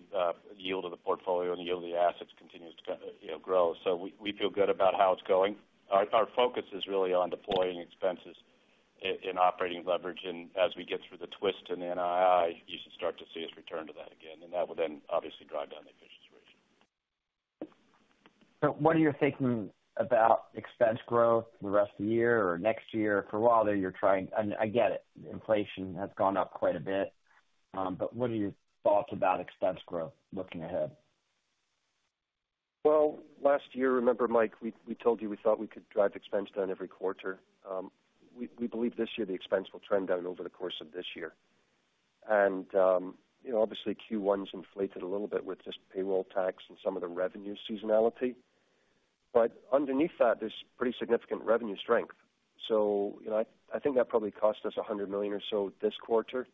yield of the portfolio and the yield of the assets continues to grow. So we feel good about how it's going. Our focus is really on deploying expenses and operating leverage. As we get through the twist in the NII, you should start to see us return to that again. That would then obviously drive down the efficiency ratio. What are you thinking about expense growth the rest of the year or next year? For a while there, you're trying. I get it. Inflation has gone up quite a bit. What are your thoughts about expense growth looking ahead? Well, last year, remember, Mike, we told you we thought we could drive expense down every quarter. We believe this year, the expense will trend down over the course of this year. Obviously, Q1's inflated a little bit with just payroll tax and some of the revenue seasonality. Underneath that, there's pretty significant revenue strength. So I think that probably cost us $100 million or so this quarter.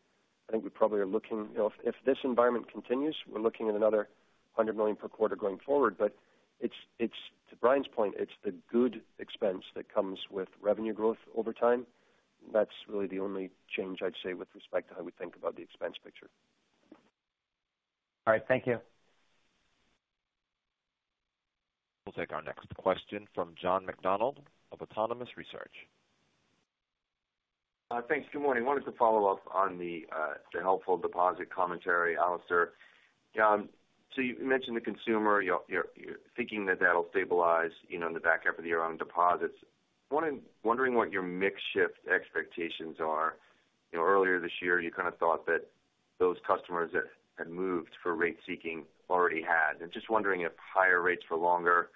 I think we probably are looking if this environment continues, we're looking at another $100 million per quarter going forward. But to Brian's point, it's the good expense that comes with revenue growth over time. That's really the only change, I'd say, with respect to how we think about the expense picture. All right. Thank you. We'll take our next question from John McDonald of Autonomous Research. Thanks. Good morning. Wanted to follow up on the helpful deposit commentary, Alastair. John, so you mentioned the consumer. You're thinking that that'll stabilize in the back half of the year on deposits. Wondering what your mix-shift expectations are. Earlier this year, you kind of thought that those customers that had moved for rate-seeking already had. Just wondering if higher rates for longer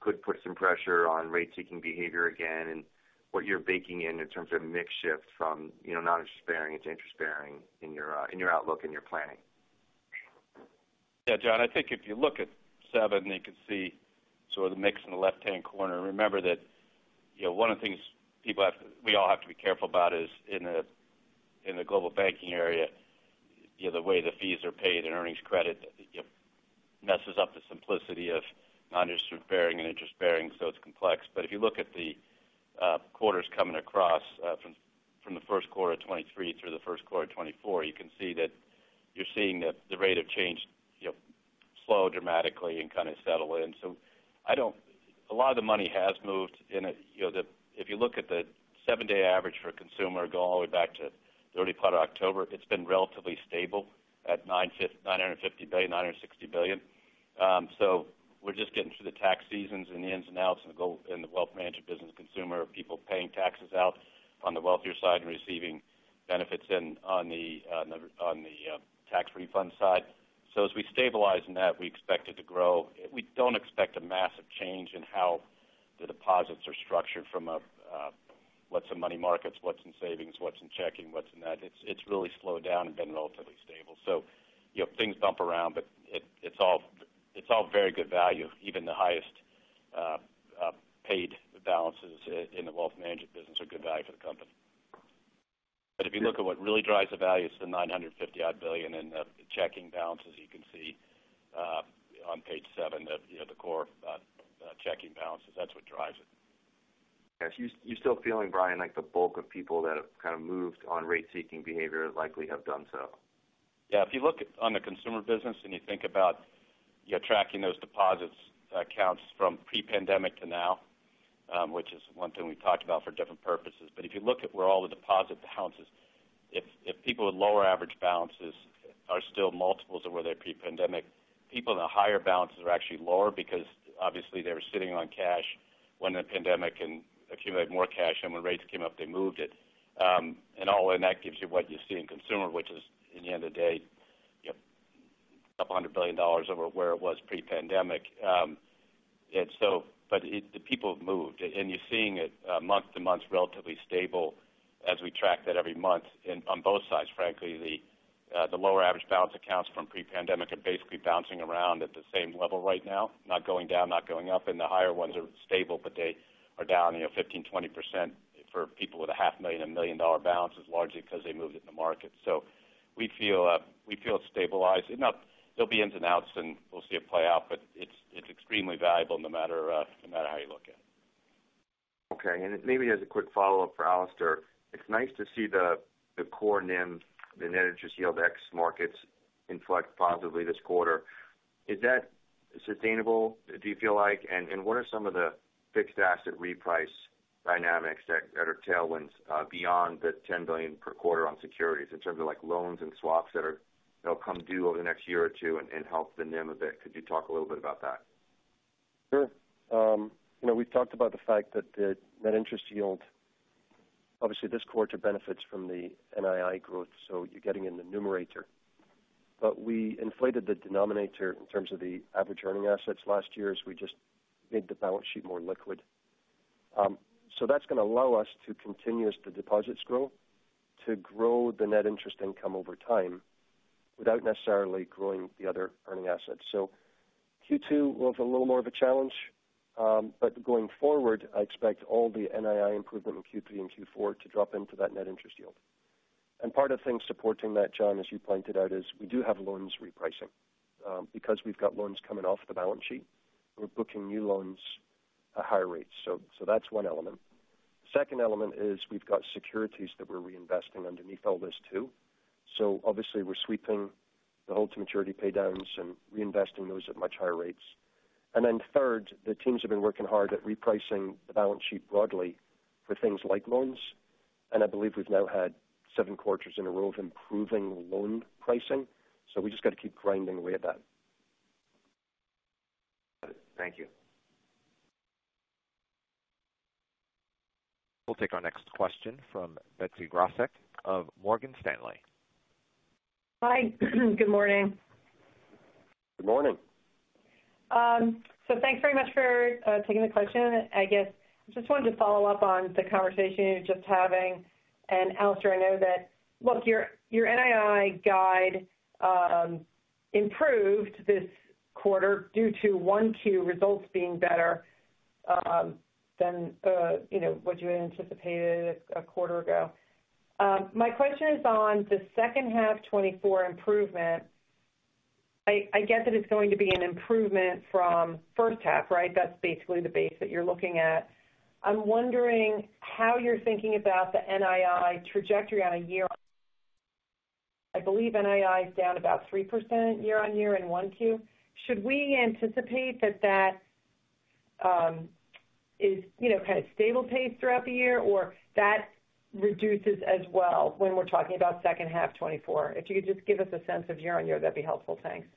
could put some pressure on rate-seeking behavior again and what you're baking in in terms of mix-shift from non-interest-bearing into interest-bearing in your outlook and your planning. Yeah, John. I think if you look at 7, you can see sort of the mix in the left-hand corner. Remember that one of the things people have to we all have to be careful about is in the Global Banking area, the way the fees are paid and earnings credit messes up the simplicity of non-interest-bearing and interest-bearing. So it's complex. But if you look at the quarters coming across from the first quarter of 2023 through the first quarter of 2024, you can see that you're seeing that the rate of change slow dramatically and kind of settle in. So a lot of the money has moved. And if you look at the seven-day average for a consumer, go all the way back to the early part of October, it's been relatively stable at $950 billion-$960 billion. So we're just getting through the tax seasons and the ins and outs in the Wealth Management business, consumer, people paying taxes out on the wealthier side and receiving benefits on the tax refund side. So as we stabilize in that, we expect it to grow. We don't expect a massive change in how the deposits are structured from what's in money markets, what's in savings, what's in checking, what's in that. It's really slowed down and been relatively stable. So things bump around. But it's all very good value. Even the highest paid balances in the Wealth Management business are good value for the company. But if you look at what really drives the value, it's the $950-odd billion in the checking balances. You can see on page 7 the core checking balances. That's what drives it. Yeah. So you're still feeling, Brian, like the bulk of people that have kind of moved on rate-seeking behavior likely have done so. Yeah. If you look on the consumer business and you think about tracking those deposit accounts from pre-pandemic to now, which is one thing we've talked about for different purposes. But if you look at where all the deposit balances if people with lower average balances are still multiples of where they're pre-pandemic, people in the higher balances are actually lower because obviously, they were sitting on cash when the pandemic and accumulated more cash. And when rates came up, they moved it. All in that gives you what you see in consumer, which is, in the end of the day, $200 billion over where it was pre-pandemic. But the people have moved. You're seeing it month-to-month relatively stable as we track that every month on both sides. Frankly, the lower average balance accounts from pre-pandemic are basically bouncing around at the same level right now, not going down, not going up. The higher ones are stable. But they are down 15%-20% for people with a $500,000-$1 million balance, largely because they moved it in the market. So we feel it's stabilized. There'll be ins and outs. We'll see it play out. But it's extremely valuable no matter how you look at it. Okay. Maybe as a quick follow-up for Alastair, it's nice to see the core NIM, the net interest yield, ex markets inflect positively this quarter. Is that sustainable, do you feel like? And what are some of the fixed asset reprice dynamics that are tailwinds beyond the $10 billion per quarter on securities in terms of loans and swaps that'll come due over the next year or two and help the NIM a bit? Could you talk a little bit about that? Sure. We've talked about the fact that the net interest yield, obviously, this quarter benefits from the NII growth. So you're getting in the numerator. But we inflated the denominator in terms of the average earning assets last year. We just made the balance sheet more liquid. So that's going to allow us to continue to grow the deposits, to grow the net interest income over time without necessarily growing the other earning assets. So Q2 will have a little more of a challenge. But going forward, I expect all the NII improvement in Q3 and Q4 to drop into that net interest yield. And part of things supporting that, John, as you pointed out, is we do have loans repricing because we've got loans coming off the balance sheet. We're booking new loans at higher rates. So that's one element. The second element is we've got securities that we're reinvesting underneath all this too. So obviously, we're sweeping the hold-to-maturity paydowns and reinvesting those at much higher rates. And then third, the teams have been working hard at repricing the balance sheet broadly for things like loans. And I believe we've now had seven quarters in a row of improving loan pricing. So we just got to keep grinding away at that. Got it. Thank you. We'll take our next question from Betsy Graseck of Morgan Stanley. Hi. Good morning. Good morning. So thanks very much for taking the question. I guess I just wanted to follow up on the conversation you're just having. And Alastair, I know that, look, your NII guide improved this quarter due to 1Q results being better than what you had anticipated a quarter ago. My question is on the second half 2024 improvement. I get that it's going to be an improvement from first half, right? That's basically the base that you're looking at. I'm wondering how you're thinking about the NII trajectory on a year-on-year. I believe NII is down about 3% year-on-year in 1Q. Should we anticipate that that is kind of stable pace throughout the year or that reduces as well when we're talking about second half 2024? If you could just give us a sense of year-on-year, that'd be helpful. Thanks.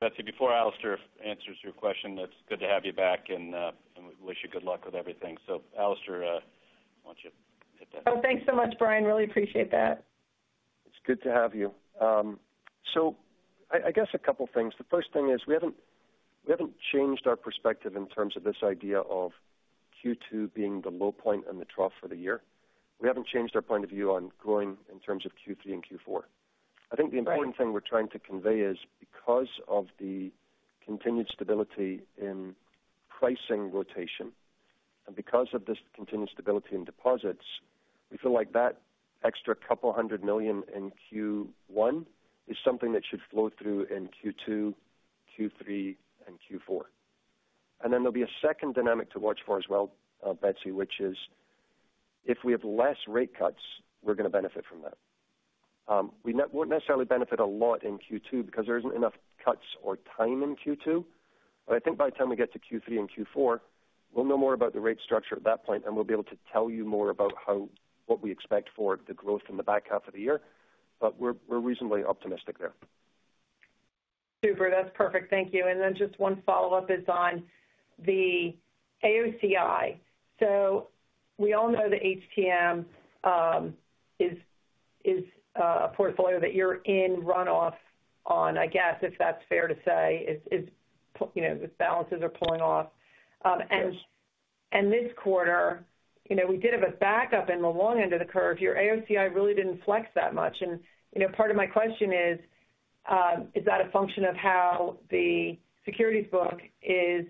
Betsy, before Alastair answers your question, it's good to have you back. And we wish you good luck with everything. So Alastair, I want you to hit that. Oh, thanks so much, Brian. Really appreciate that. It's good to have you. So I guess a couple things. The first thing is we haven't changed our perspective in terms of this idea of Q2 being the low point and the trough for the year. We haven't changed our point of view on growing in terms of Q3 and Q4. I think the important thing we're trying to convey is because of the continued stability in pricing rotation and because of this continued stability in deposits, we feel like that extra $200 million in Q1 is something that should flow through in Q2, Q3, and Q4. Then there'll be a second dynamic to watch for as well, Betsy, which is if we have less rate cuts, we're going to benefit from that. We won't necessarily benefit a lot in Q2 because there isn't enough cuts or time in Q2. But I think by the time we get to Q3 and Q4, we'll know more about the rate structure at that point. And we'll be able to tell you more about what we expect for the growth in the back half of the year. But we're reasonably optimistic there. Super. That's perfect. Thank you. And then just one follow-up is on the AOCI. So we all know the HTM is a portfolio that you're in runoff on, I guess, if that's fair to say, as the balances are pulling off. And this quarter, we did have a backup in the long end of the curve. Your AOCI really didn't flex that much. And part of my question is, is that a function of how the securities book is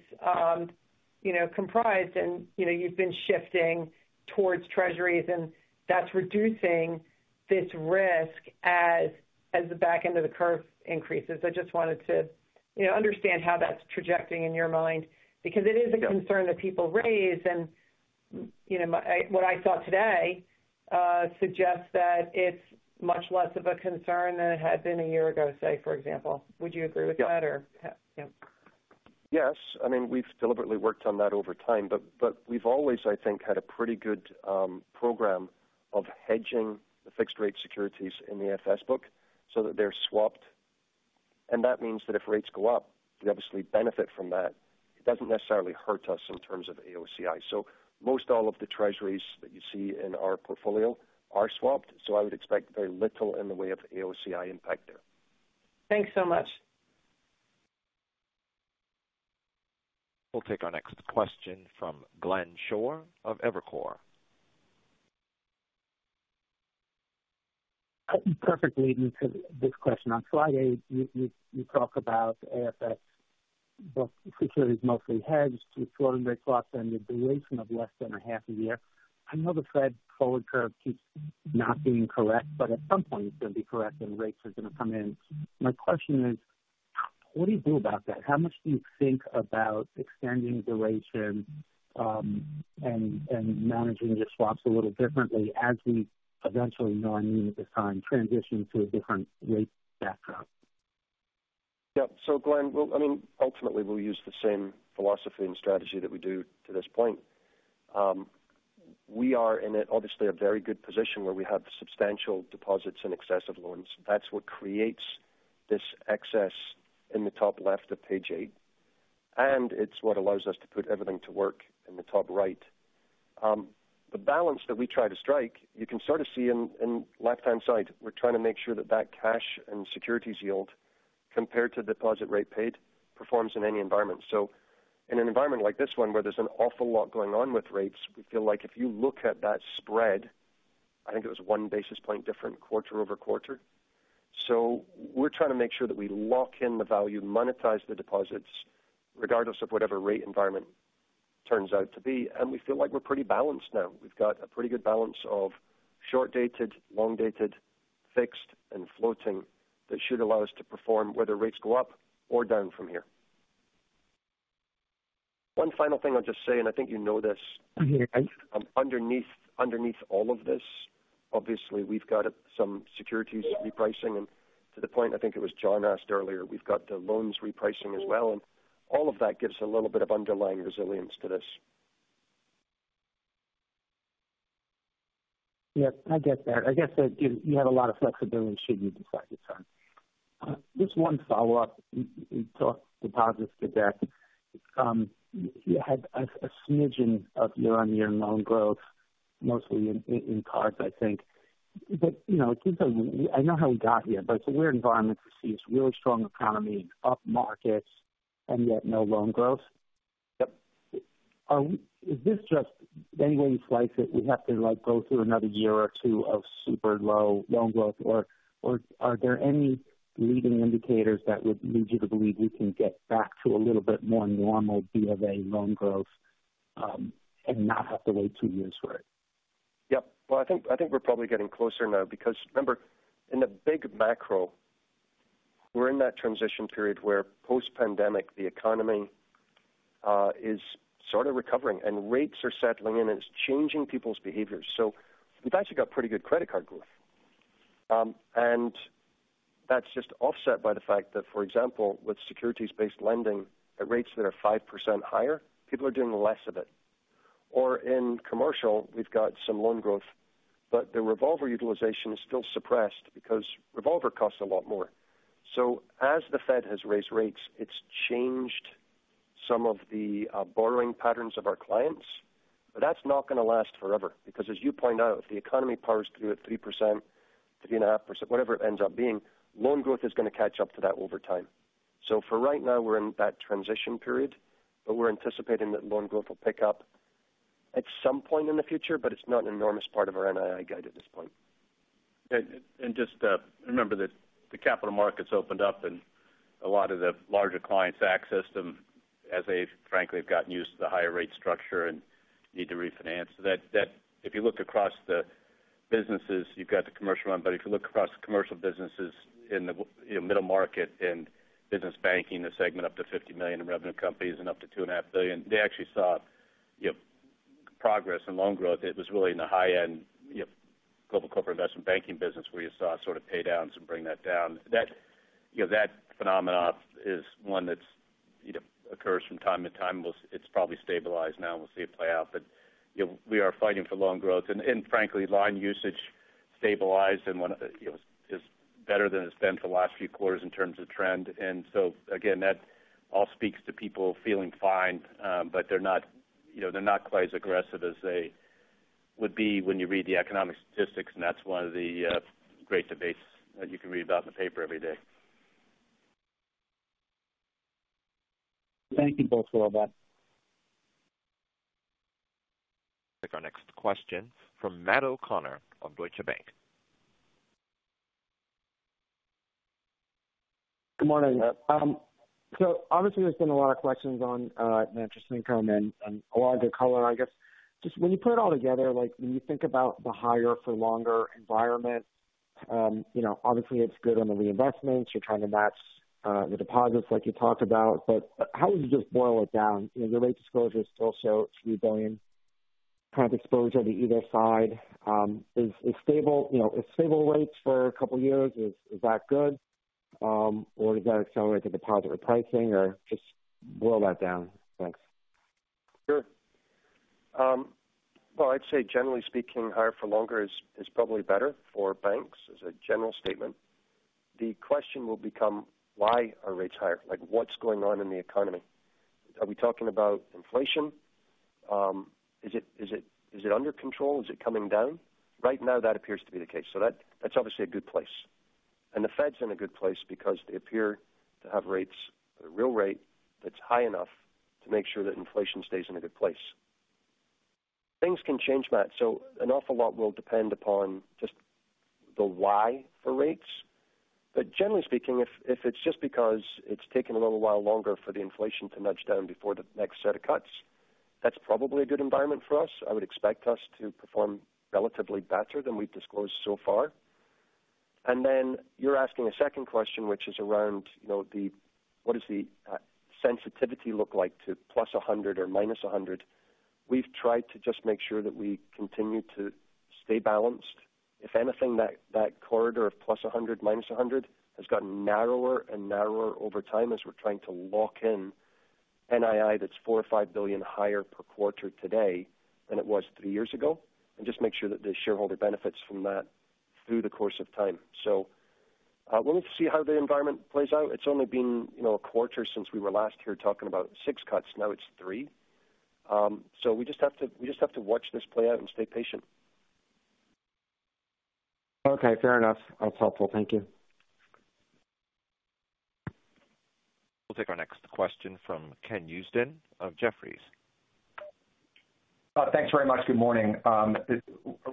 comprised? And you've been shifting towards Treasuries. And that's reducing this risk as the back end of the curve increases. I just wanted to understand how that's trajecting in your mind because it is a concern that people raise. And what I saw today suggests that it's much less of a concern than it had been a year ago, say, for example. Would you agree with that or? Yes. I mean, we've deliberately worked on that over time. But we've always, I think, had a pretty good program of hedging the fixed-rate securities in the AFS book so that they're swapped. And that means that if rates go up, we obviously benefit from that. It doesn't necessarily hurt us in terms of AOCI. So most all of the Treasuries that you see in our portfolio are swapped. So I would expect very little in the way of AOCI impact there. Thanks so much. We'll take our next question from Glenn Schorr of Evercore. Perfect lead-in to this question. On Friday, you talk about AFS book securities mostly hedged to floating rate swaps and the duration of less than a half a year. I know the Fed forward curve keeps not being correct. But at some point, it's going to be correct. And rates are going to come in. My question is, what do you do about that? How much do you think about extending duration and managing your swaps a little differently as we eventually know I mean at this time transition to a different rate backdrop? Yep. So Glenn, I mean, ultimately, we'll use the same philosophy and strategy that we do to this point. We are in, obviously, a very good position where we have substantial deposits and excessive loans. That's what creates this excess in the top left of page 8. And it's what allows us to put everything to work in the top right. The balance that we try to strike, you can sort of see in left-hand side. We're trying to make sure that that cash and securities yield compared to deposit rate paid performs in any environment. So in an environment like this one where there's an awful lot going on with rates, we feel like if you look at that spread, I think it was one basis point different quarter-over-quarter. So we're trying to make sure that we lock in the value, monetize the deposits regardless of whatever rate environment turns out to be. And we feel like we're pretty balanced now. We've got a pretty good balance of short-dated, long-dated, fixed, and floating that should allow us to perform whether rates go up or down from here. One final thing I'll just say, and I think you know this. I'm here. Underneath all of this, obviously, we've got some securities repricing. And to the point, I think it was John asked earlier, we've got the loans repricing as well. And all of that gives a little bit of underlying resilience to this. Yep. I get that. I guess that you have a lot of flexibility should you decide at times. Just one follow-up. We talked deposits today. You had a smidgen of year-on-year loan growth, mostly in cards, I think. But it seems like I know how we got here. But it's a weird environment to see this really strong economy and up markets and yet no loan growth. Is this just any way you slice it, we have to go through another year or two of super low loan growth? Or are there any leading indicators that would lead you to believe we can get back to a little bit more normal B of A loan growth and not have to wait two years for it? Yep. Well, I think we're probably getting closer now because, remember, in the big macro, we're in that transition period where post-pandemic, the economy is sort of recovering. And rates are settling in. And it's changing people's behaviors. So we've actually got pretty good credit card growth. And that's just offset by the fact that, for example, with securities-based lending at rates that are 5% higher, people are doing less of it. Or in commercial, we've got some loan growth. But the revolver utilization is still suppressed because revolver costs a lot more. So as the Fed has raised rates, it's changed some of the borrowing patterns of our clients. But that's not going to last forever because, as you point out, if the economy powers through at 3%-3.5%, whatever it ends up being, loan growth is going to catch up to that over time. So for right now, we're in that transition period. But we're anticipating that loan growth will pick up at some point in the future. But it's not an enormous part of our NII guide at this point. And just remember that the capital markets opened up. And a lot of the larger clients' access to them, as they, frankly, have gotten used to the higher rate structure and need to refinance, that if you look across the businesses, you've got the commercial one. But if you look across the commercial businesses in the middle market and business banking, the segment up to 50 million in revenue companies and up to 2.5 billion, they actually saw progress in loan growth. It was really in the high-end global corporate investment banking business where you saw sort of paydowns and bring that down. That phenomenon is one that occurs from time to time. It's probably stabilized now. We'll see it play out. But we are fighting for loan growth. And frankly, line usage stabilized and is better than it's been for the last few quarters in terms of trend. And so again, that all speaks to people feeling fine. But they're not quite as aggressive as they would be when you read the economic statistics. And that's one of the great debates that you can read about in the paper every day. Thank you both for all that. Take our next question from Matt O'Connor of Deutsche Bank. Good morning. So obviously, there's been a lot of questions on an interesting comment and a lot of good color, I guess. Just when you put it all together, when you think about the higher-for-longer environment, obviously, it's good on the reinvestments. You're trying to match the deposits like you talked about. But how would you just boil it down? Your rate disclosure is still showing $3 billion current exposure on either side. Is it stable rates for a couple years? Is that good? Or does that accelerate the deposit repricing? Or just boil that down. Thanks. Sure. Well, I'd say, generally speaking, higher-for-longer is probably better for banks as a general statement. The question will become, why are rates higher? What's going on in the economy? Are we talking about inflation? Is it under control? Is it coming down? Right now, that appears to be the case. So that's obviously a good place. And the Fed's in a good place because they appear to have rates at a real rate that's high enough to make sure that inflation stays in a good place. Things can change, Matt. So an awful lot will depend upon just the why for rates. But generally speaking, if it's just because it's taken a little while longer for the inflation to nudge down before the next set of cuts, that's probably a good environment for us. I would expect us to perform relatively better than we've disclosed so far. And then you're asking a second question, which is around what does the sensitivity look like to plus 100 or minus 100? We've tried to just make sure that we continue to stay balanced. If anything, that corridor of plus 100, minus 100 has gotten narrower and narrower over time as we're trying to lock in NII that's $4 billion-$5 billion higher per quarter today than it was three years ago and just make sure that the shareholder benefits from that through the course of time. So we'll need to see how the environment plays out. It's only been a quarter since we were last here talking about 6 cuts. Now, it's 3. So we just have to watch this play out and stay patient. Okay. Fair enough. That's helpful. Thank you. We'll take our next question from Ken Usdin of Jefferies. Thanks very much. Good morning. A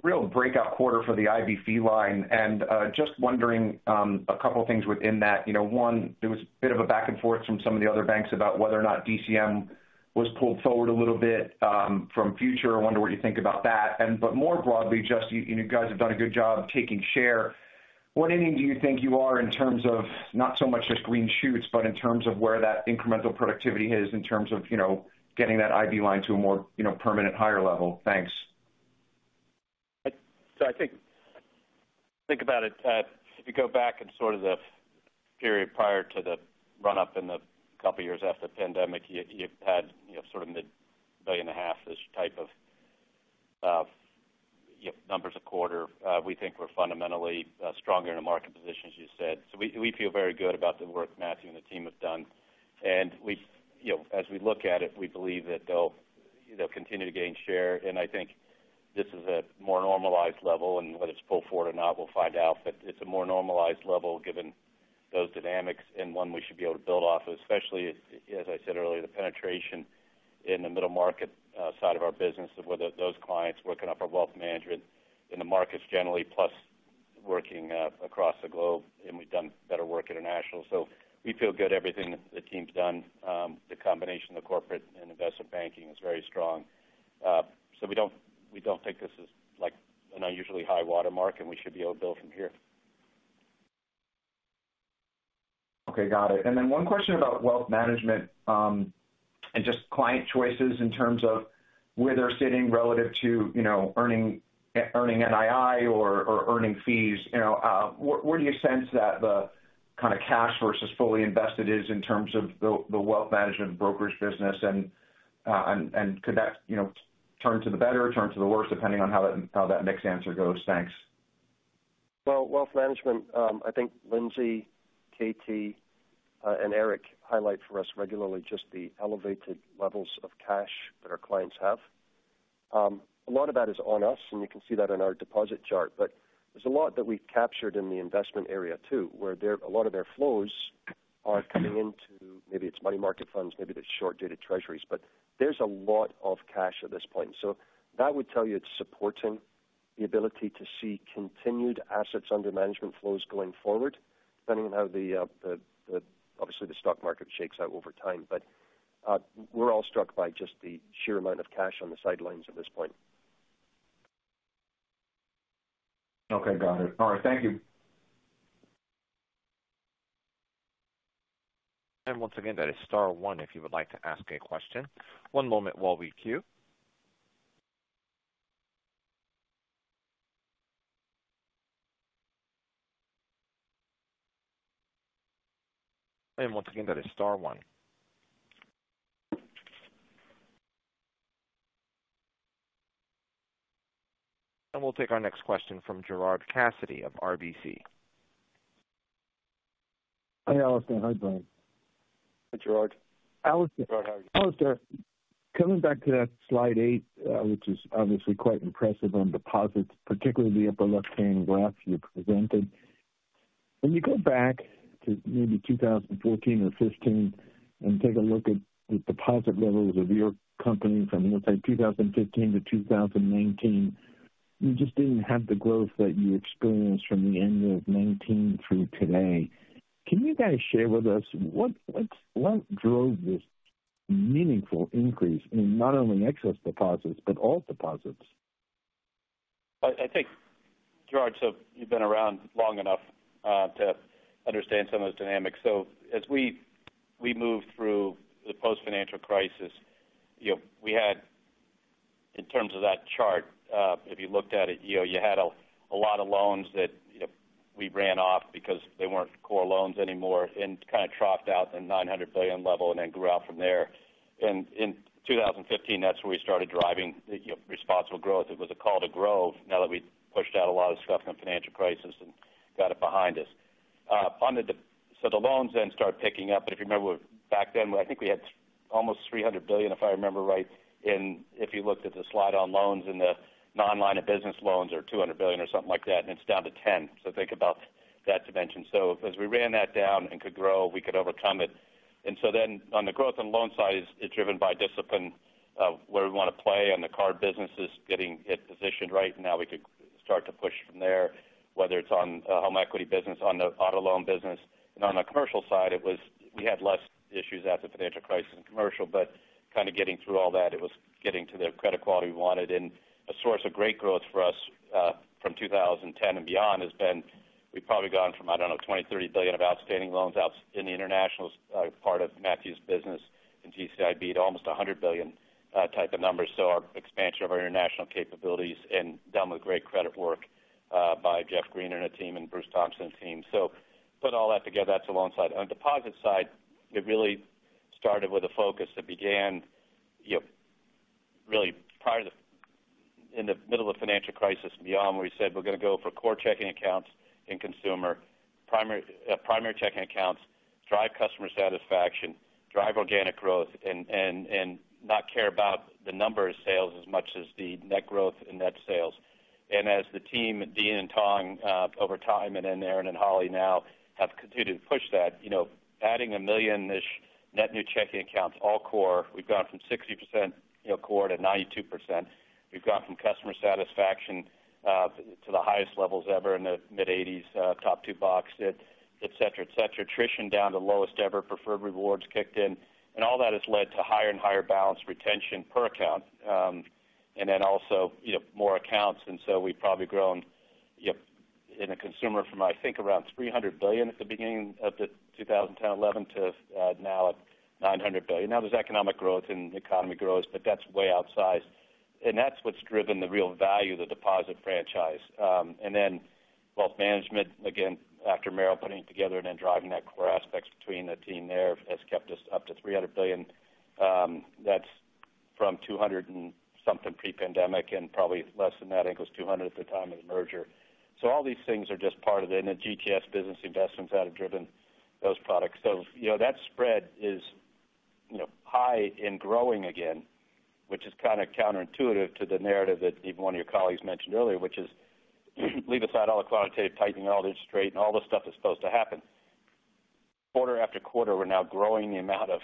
real breakout quarter for the IB fees line. And just wondering a couple things within that. One, there was a bit of a back and forth from some of the other banks about whether or not DCM was pulled forward a little bit from future. I wonder what you think about that. But more broadly, just you guys have done a good job taking share. What inning do you think you are in terms of not so much just green shoots but in terms of where that incremental productivity is in terms of getting that IB line to a more permanent higher level? Thanks. So I think about it, if you go back in sort of the period prior to the run-up and the couple years after the pandemic, you had sort of $1.5 billion this type of numbers a quarter. We think we're fundamentally stronger in the market position, as you said. So we feel very good about the work Matthew and the team have done. And as we look at it, we believe that they'll continue to gain share. And I think this is a more normalized level. And whether it's pulled forward or not, we'll find out. But it's a more normalized level given those dynamics and one we should be able to build off of, especially, as I said earlier, the penetration in the middle market side of our business of whether those clients working off our Wealth Management in the markets generally plus working across the globe. And we've done better work international. So we feel good. Everything the team's done, the combination of the corporate and investment banking, is very strong. So we don't think this is an unusually high-water mark. And we should be able to build from here. Okay. Got it. And then one question about Wealth Management and just client choices in terms of where they're sitting relative to earning NII or earning fees. Where do you sense that the kind of cash versus fully invested is in terms of the Wealth Management brokerage business? And could that turn to the better, turn to the worse depending on how that mixed answer goes? Thanks. Well, Wealth Management, I think Lindsay, Katy, and Eric highlight for us regularly just the elevated levels of cash that our clients have. A lot of that is on us. And you can see that in our deposit chart. But there's a lot that we've captured in the investment area too where a lot of their flows are coming into maybe it's money market funds. Maybe it's short-dated Treasuries. But there's a lot of cash at this point. So that would tell you it's supporting the ability to see continued assets under management flows going forward depending on how, obviously, the stock market shakes out over time. But we're all struck by just the sheer amount of cash on the sidelines at this point. Okay. Got it. All right. Thank you. Once again, that is star one if you would like to ask a question. One moment while we queue. Once again, that is star one. We'll take our next question from Gerard Cassidy of RBC. Hey, Alastair. Hi, Brian. Hi, Gerard. Alastair. Gerard, how are you? Alastair, coming back to that slide 8, which is obviously quite impressive on deposits, particularly the upper left-hand graph you presented. When you go back to maybe 2014 or 2015 and take a look at the deposit levels of your company from, let's say, 2015 to 2019, you just didn't have the growth that you experienced from the end of 2019 through today. Can you guys share with us what drove this meaningful increase in not only excess deposits but all deposits? I think, Gerard, so you've been around long enough to understand some of those dynamics. So as we moved through the post-financial crisis, we had, in terms of that chart, if you looked at it, you had a lot of loans that we ran off because they weren't core loans anymore and kind of troughed out the $900 billion level and then grew out from there. And in 2015, that's where we started driving responsible growth. It was a call to grow now that we pushed out a lot of stuff in the financial crisis and got it behind us. So the loans then started picking up. But if you remember, back then, I think we had almost $300 billion, if I remember right, if you looked at the slide on loans and the non-line of business loans or $200 billion or something like that. And it's down to $10 billion. So think about that dimension. So as we ran that down and could grow, we could overcome it. And so then on the growth on the loan side, it's driven by discipline where we want to play. And the card business is getting it positioned right. And now, we could start to push from there, whether it's on the home equity business, on the auto loan business. And on the commercial side, we had less issues after the financial crisis in commercial. But kind of getting through all that, it was getting to the credit quality we wanted. And a source of great growth for us from 2010 and beyond has been we've probably gone from, I don't know, $20 billion-$30 billion of outstanding loans in the international part of Matthew's business in GCIB to almost $100 billion type of numbers. So our expansion of our international capabilities and done with great credit work by Geoffrey Greener and a team and Bruce Thompson and a team. So put all that together, that's the loan side. On the deposit side, it really started with a focus that began really in the middle of the financial crisis and beyond where we said, "We're going to go for core checking accounts and consumer primary checking accounts, drive customer satisfaction, drive organic growth, and not care about the number of sales as much as the net growth and net sales." And as the team, Dean and Thong, over time and then Aron and Holly now have continued to push that, adding a million-ish net new checking accounts all core, we've gone from 60% core to 92%. We've gone from customer satisfaction to the highest levels ever in the mid-1980s, top two boxed, etc., etc., attrition down to lowest ever, Preferred Rewards kicked in. And all that has led to higher and higher balance retention per account and then also more accounts. And so we've probably grown in the consumer from, I think, around $300 billion at the beginning of 2010-2011 to now at $900 billion. Now, there's economic growth. And the economy grows. But that's way outsized. And that's what's driven the real value of the deposit franchise. And then Wealth Management, again, after Merrill putting it together and then driving that core aspects between the team there has kept us up to $300 billion. That's from $200 billion and something pre-pandemic. And probably less than that. I think it was $200 billion at the time of the merger. So all these things are just part of the and the GTS business investments that have driven those products. So that spread is high and growing again, which is kind of counterintuitive to the narrative that even one of your colleagues mentioned earlier, which is, "Leave aside all the quantitative tightening and all the interest rate and all the stuff that's supposed to happen." Quarter after quarter, we're now growing the amount of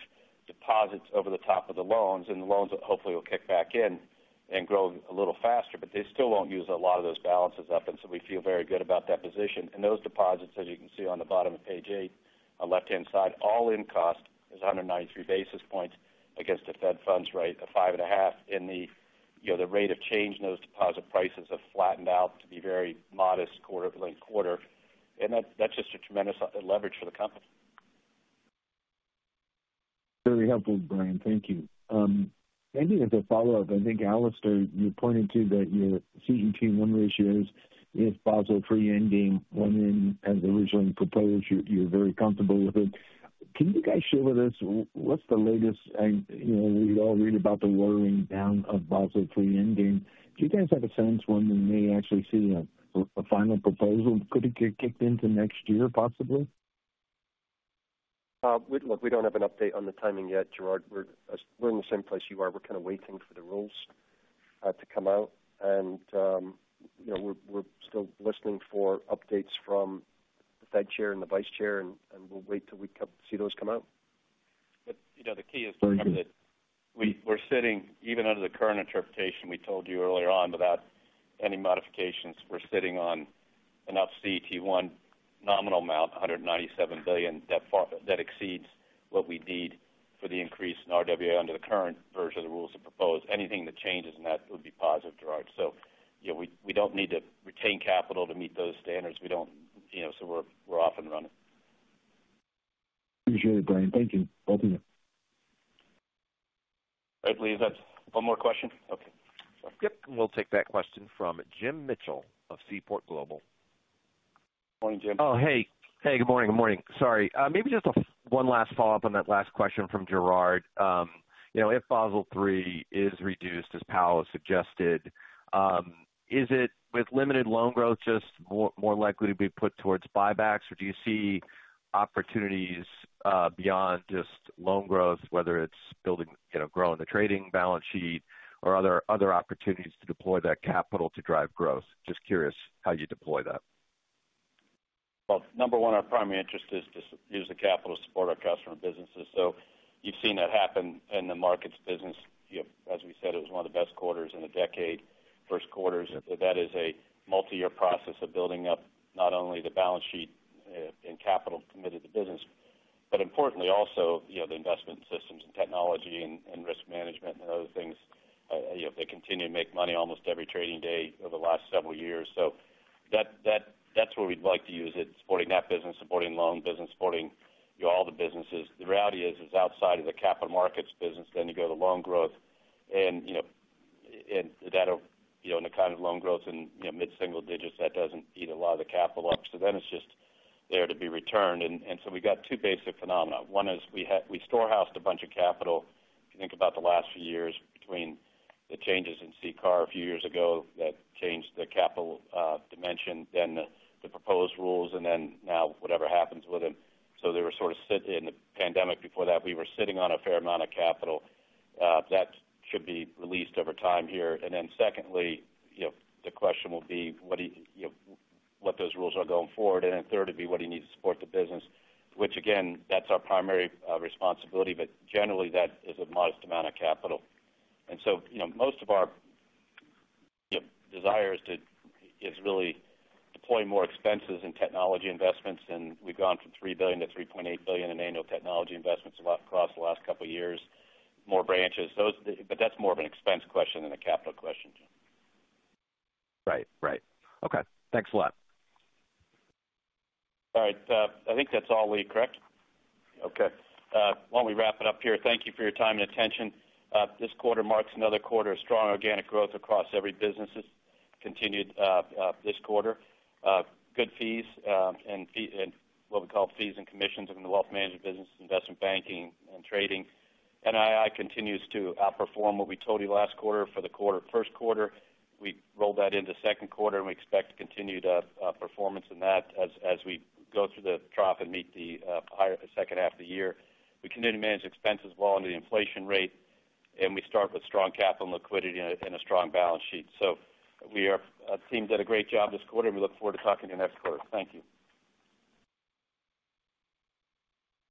deposits over the top of the loans. And the loans hopefully will kick back in and grow a little faster. But they still won't use a lot of those balances up. And so we feel very good about that position. And those deposits, as you can see on the bottom of page 8 on the left-hand side, all-in cost is 193 basis points against the Fed funds rate of 5.5. The rate of change in those deposit prices has flattened out to be very modest quarter-over-quarter. And that's just a tremendous leverage for the company. Very helpful, Brian. Thank you. Maybe as a follow-up, I think, Alastair, you pointed to that your CET1 ratios, if Basel III Endgame went in as originally proposed, you're very comfortable with it. Can you guys share with us what's the latest? We all read about the watering down of Basel III Endgame. Do you guys have a sense when we may actually see a final proposal? Could it get kicked into next year, possibly? Look, we don't have an update on the timing yet, Gerard. We're in the same place you are. We're kind of waiting for the rules to come out. And we're still listening for updates from the Fed chair and the vice chair. And we'll wait till we see those come out. But the key is to remember that we're sitting, even under the current interpretation we told you earlier on without any modifications, we're sitting on enough CET1 nominal amount, $197 billion, that exceeds what we need for the increase in RWA under the current version of the rules that are proposed. Anything that changes in that would be positive, Gerard. So we don't need to retain capital to meet those standards. So we're off and running. Appreciate it, Brian. Thank you. Both of you. All right, please. That's one more question? Okay. Sorry. Yep. And we'll take that question from Jim Mitchell of Seaport Global. Good morning, Jim. Oh, hey. Hey. Good morning. Good morning. Sorry. Maybe just one last follow-up on that last question from Gerard. If Basel III is reduced as Powell suggested, is it, with limited loan growth, just more likely to be put towards buybacks? Or do you see opportunities beyond just loan growth, whether it's growing the trading balance sheet or other opportunities to deploy that capital to drive growth? Just curious how you deploy that. Well, number one, our primary interest is to use the capital to support our customer businesses. So you've seen that happen in the market's business. As we said, it was one of the best quarters in a decade, first quarters. That is a multi-year process of building up not only the balance sheet and capital committed to business but importantly also the investment systems and technology and risk management and other things. They continue to make money almost every trading day over the last several years. So that's where we'd like to use it, supporting that business, supporting loan business, supporting all the businesses. The reality is, it's outside of the capital markets business. Then you go to loan growth. And that'll in the kind of loan growth in mid-single digits, that doesn't eat a lot of the capital up. So then it's just there to be returned. And so we've got two basic phenomena. One is we storehoused a bunch of capital. If you think about the last few years between the changes in CCAR a few years ago that changed the capital dimension, then the proposed rules, and then now whatever happens with it. So they were sort of sitting in the pandemic before that. We were sitting on a fair amount of capital. That should be released over time here. And then secondly, the question will be what those rules are going forward. And then third would be what do you need to support the business, which, again, that's our primary responsibility. But generally, that is a modest amount of capital. And so most of our desire is to really deploy more expenses in technology investments. And we've gone from $3 billion to $3.8 billion in annual technology investments across the last couple of years, more branches. But that's more of an expense question than a capital question, Jim. Right. Right. Okay. Thanks a lot. All right. I think that's all, Lee. Correct? Okay. While we wrap it up here, thank you for your time and attention. This quarter marks another quarter of strong organic growth across every business continued this quarter, good fees and what we call fees and commissions in the Wealth Management business, investment banking, and trading. NII continues to outperform what we told you last quarter for the first quarter. We rolled that into second quarter. We expect continued performance in that as we go through the trough and meet the second half of the year. We continue to manage expenses well under the inflation rate. We start with strong capital and liquidity and a strong balance sheet. Our team did a great job this quarter. We look forward to talking to you next quarter. Thank you.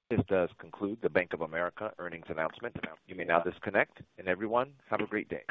This does conclude the Bank of America earnings announcement. You may now disconnect. Everyone, have a great day.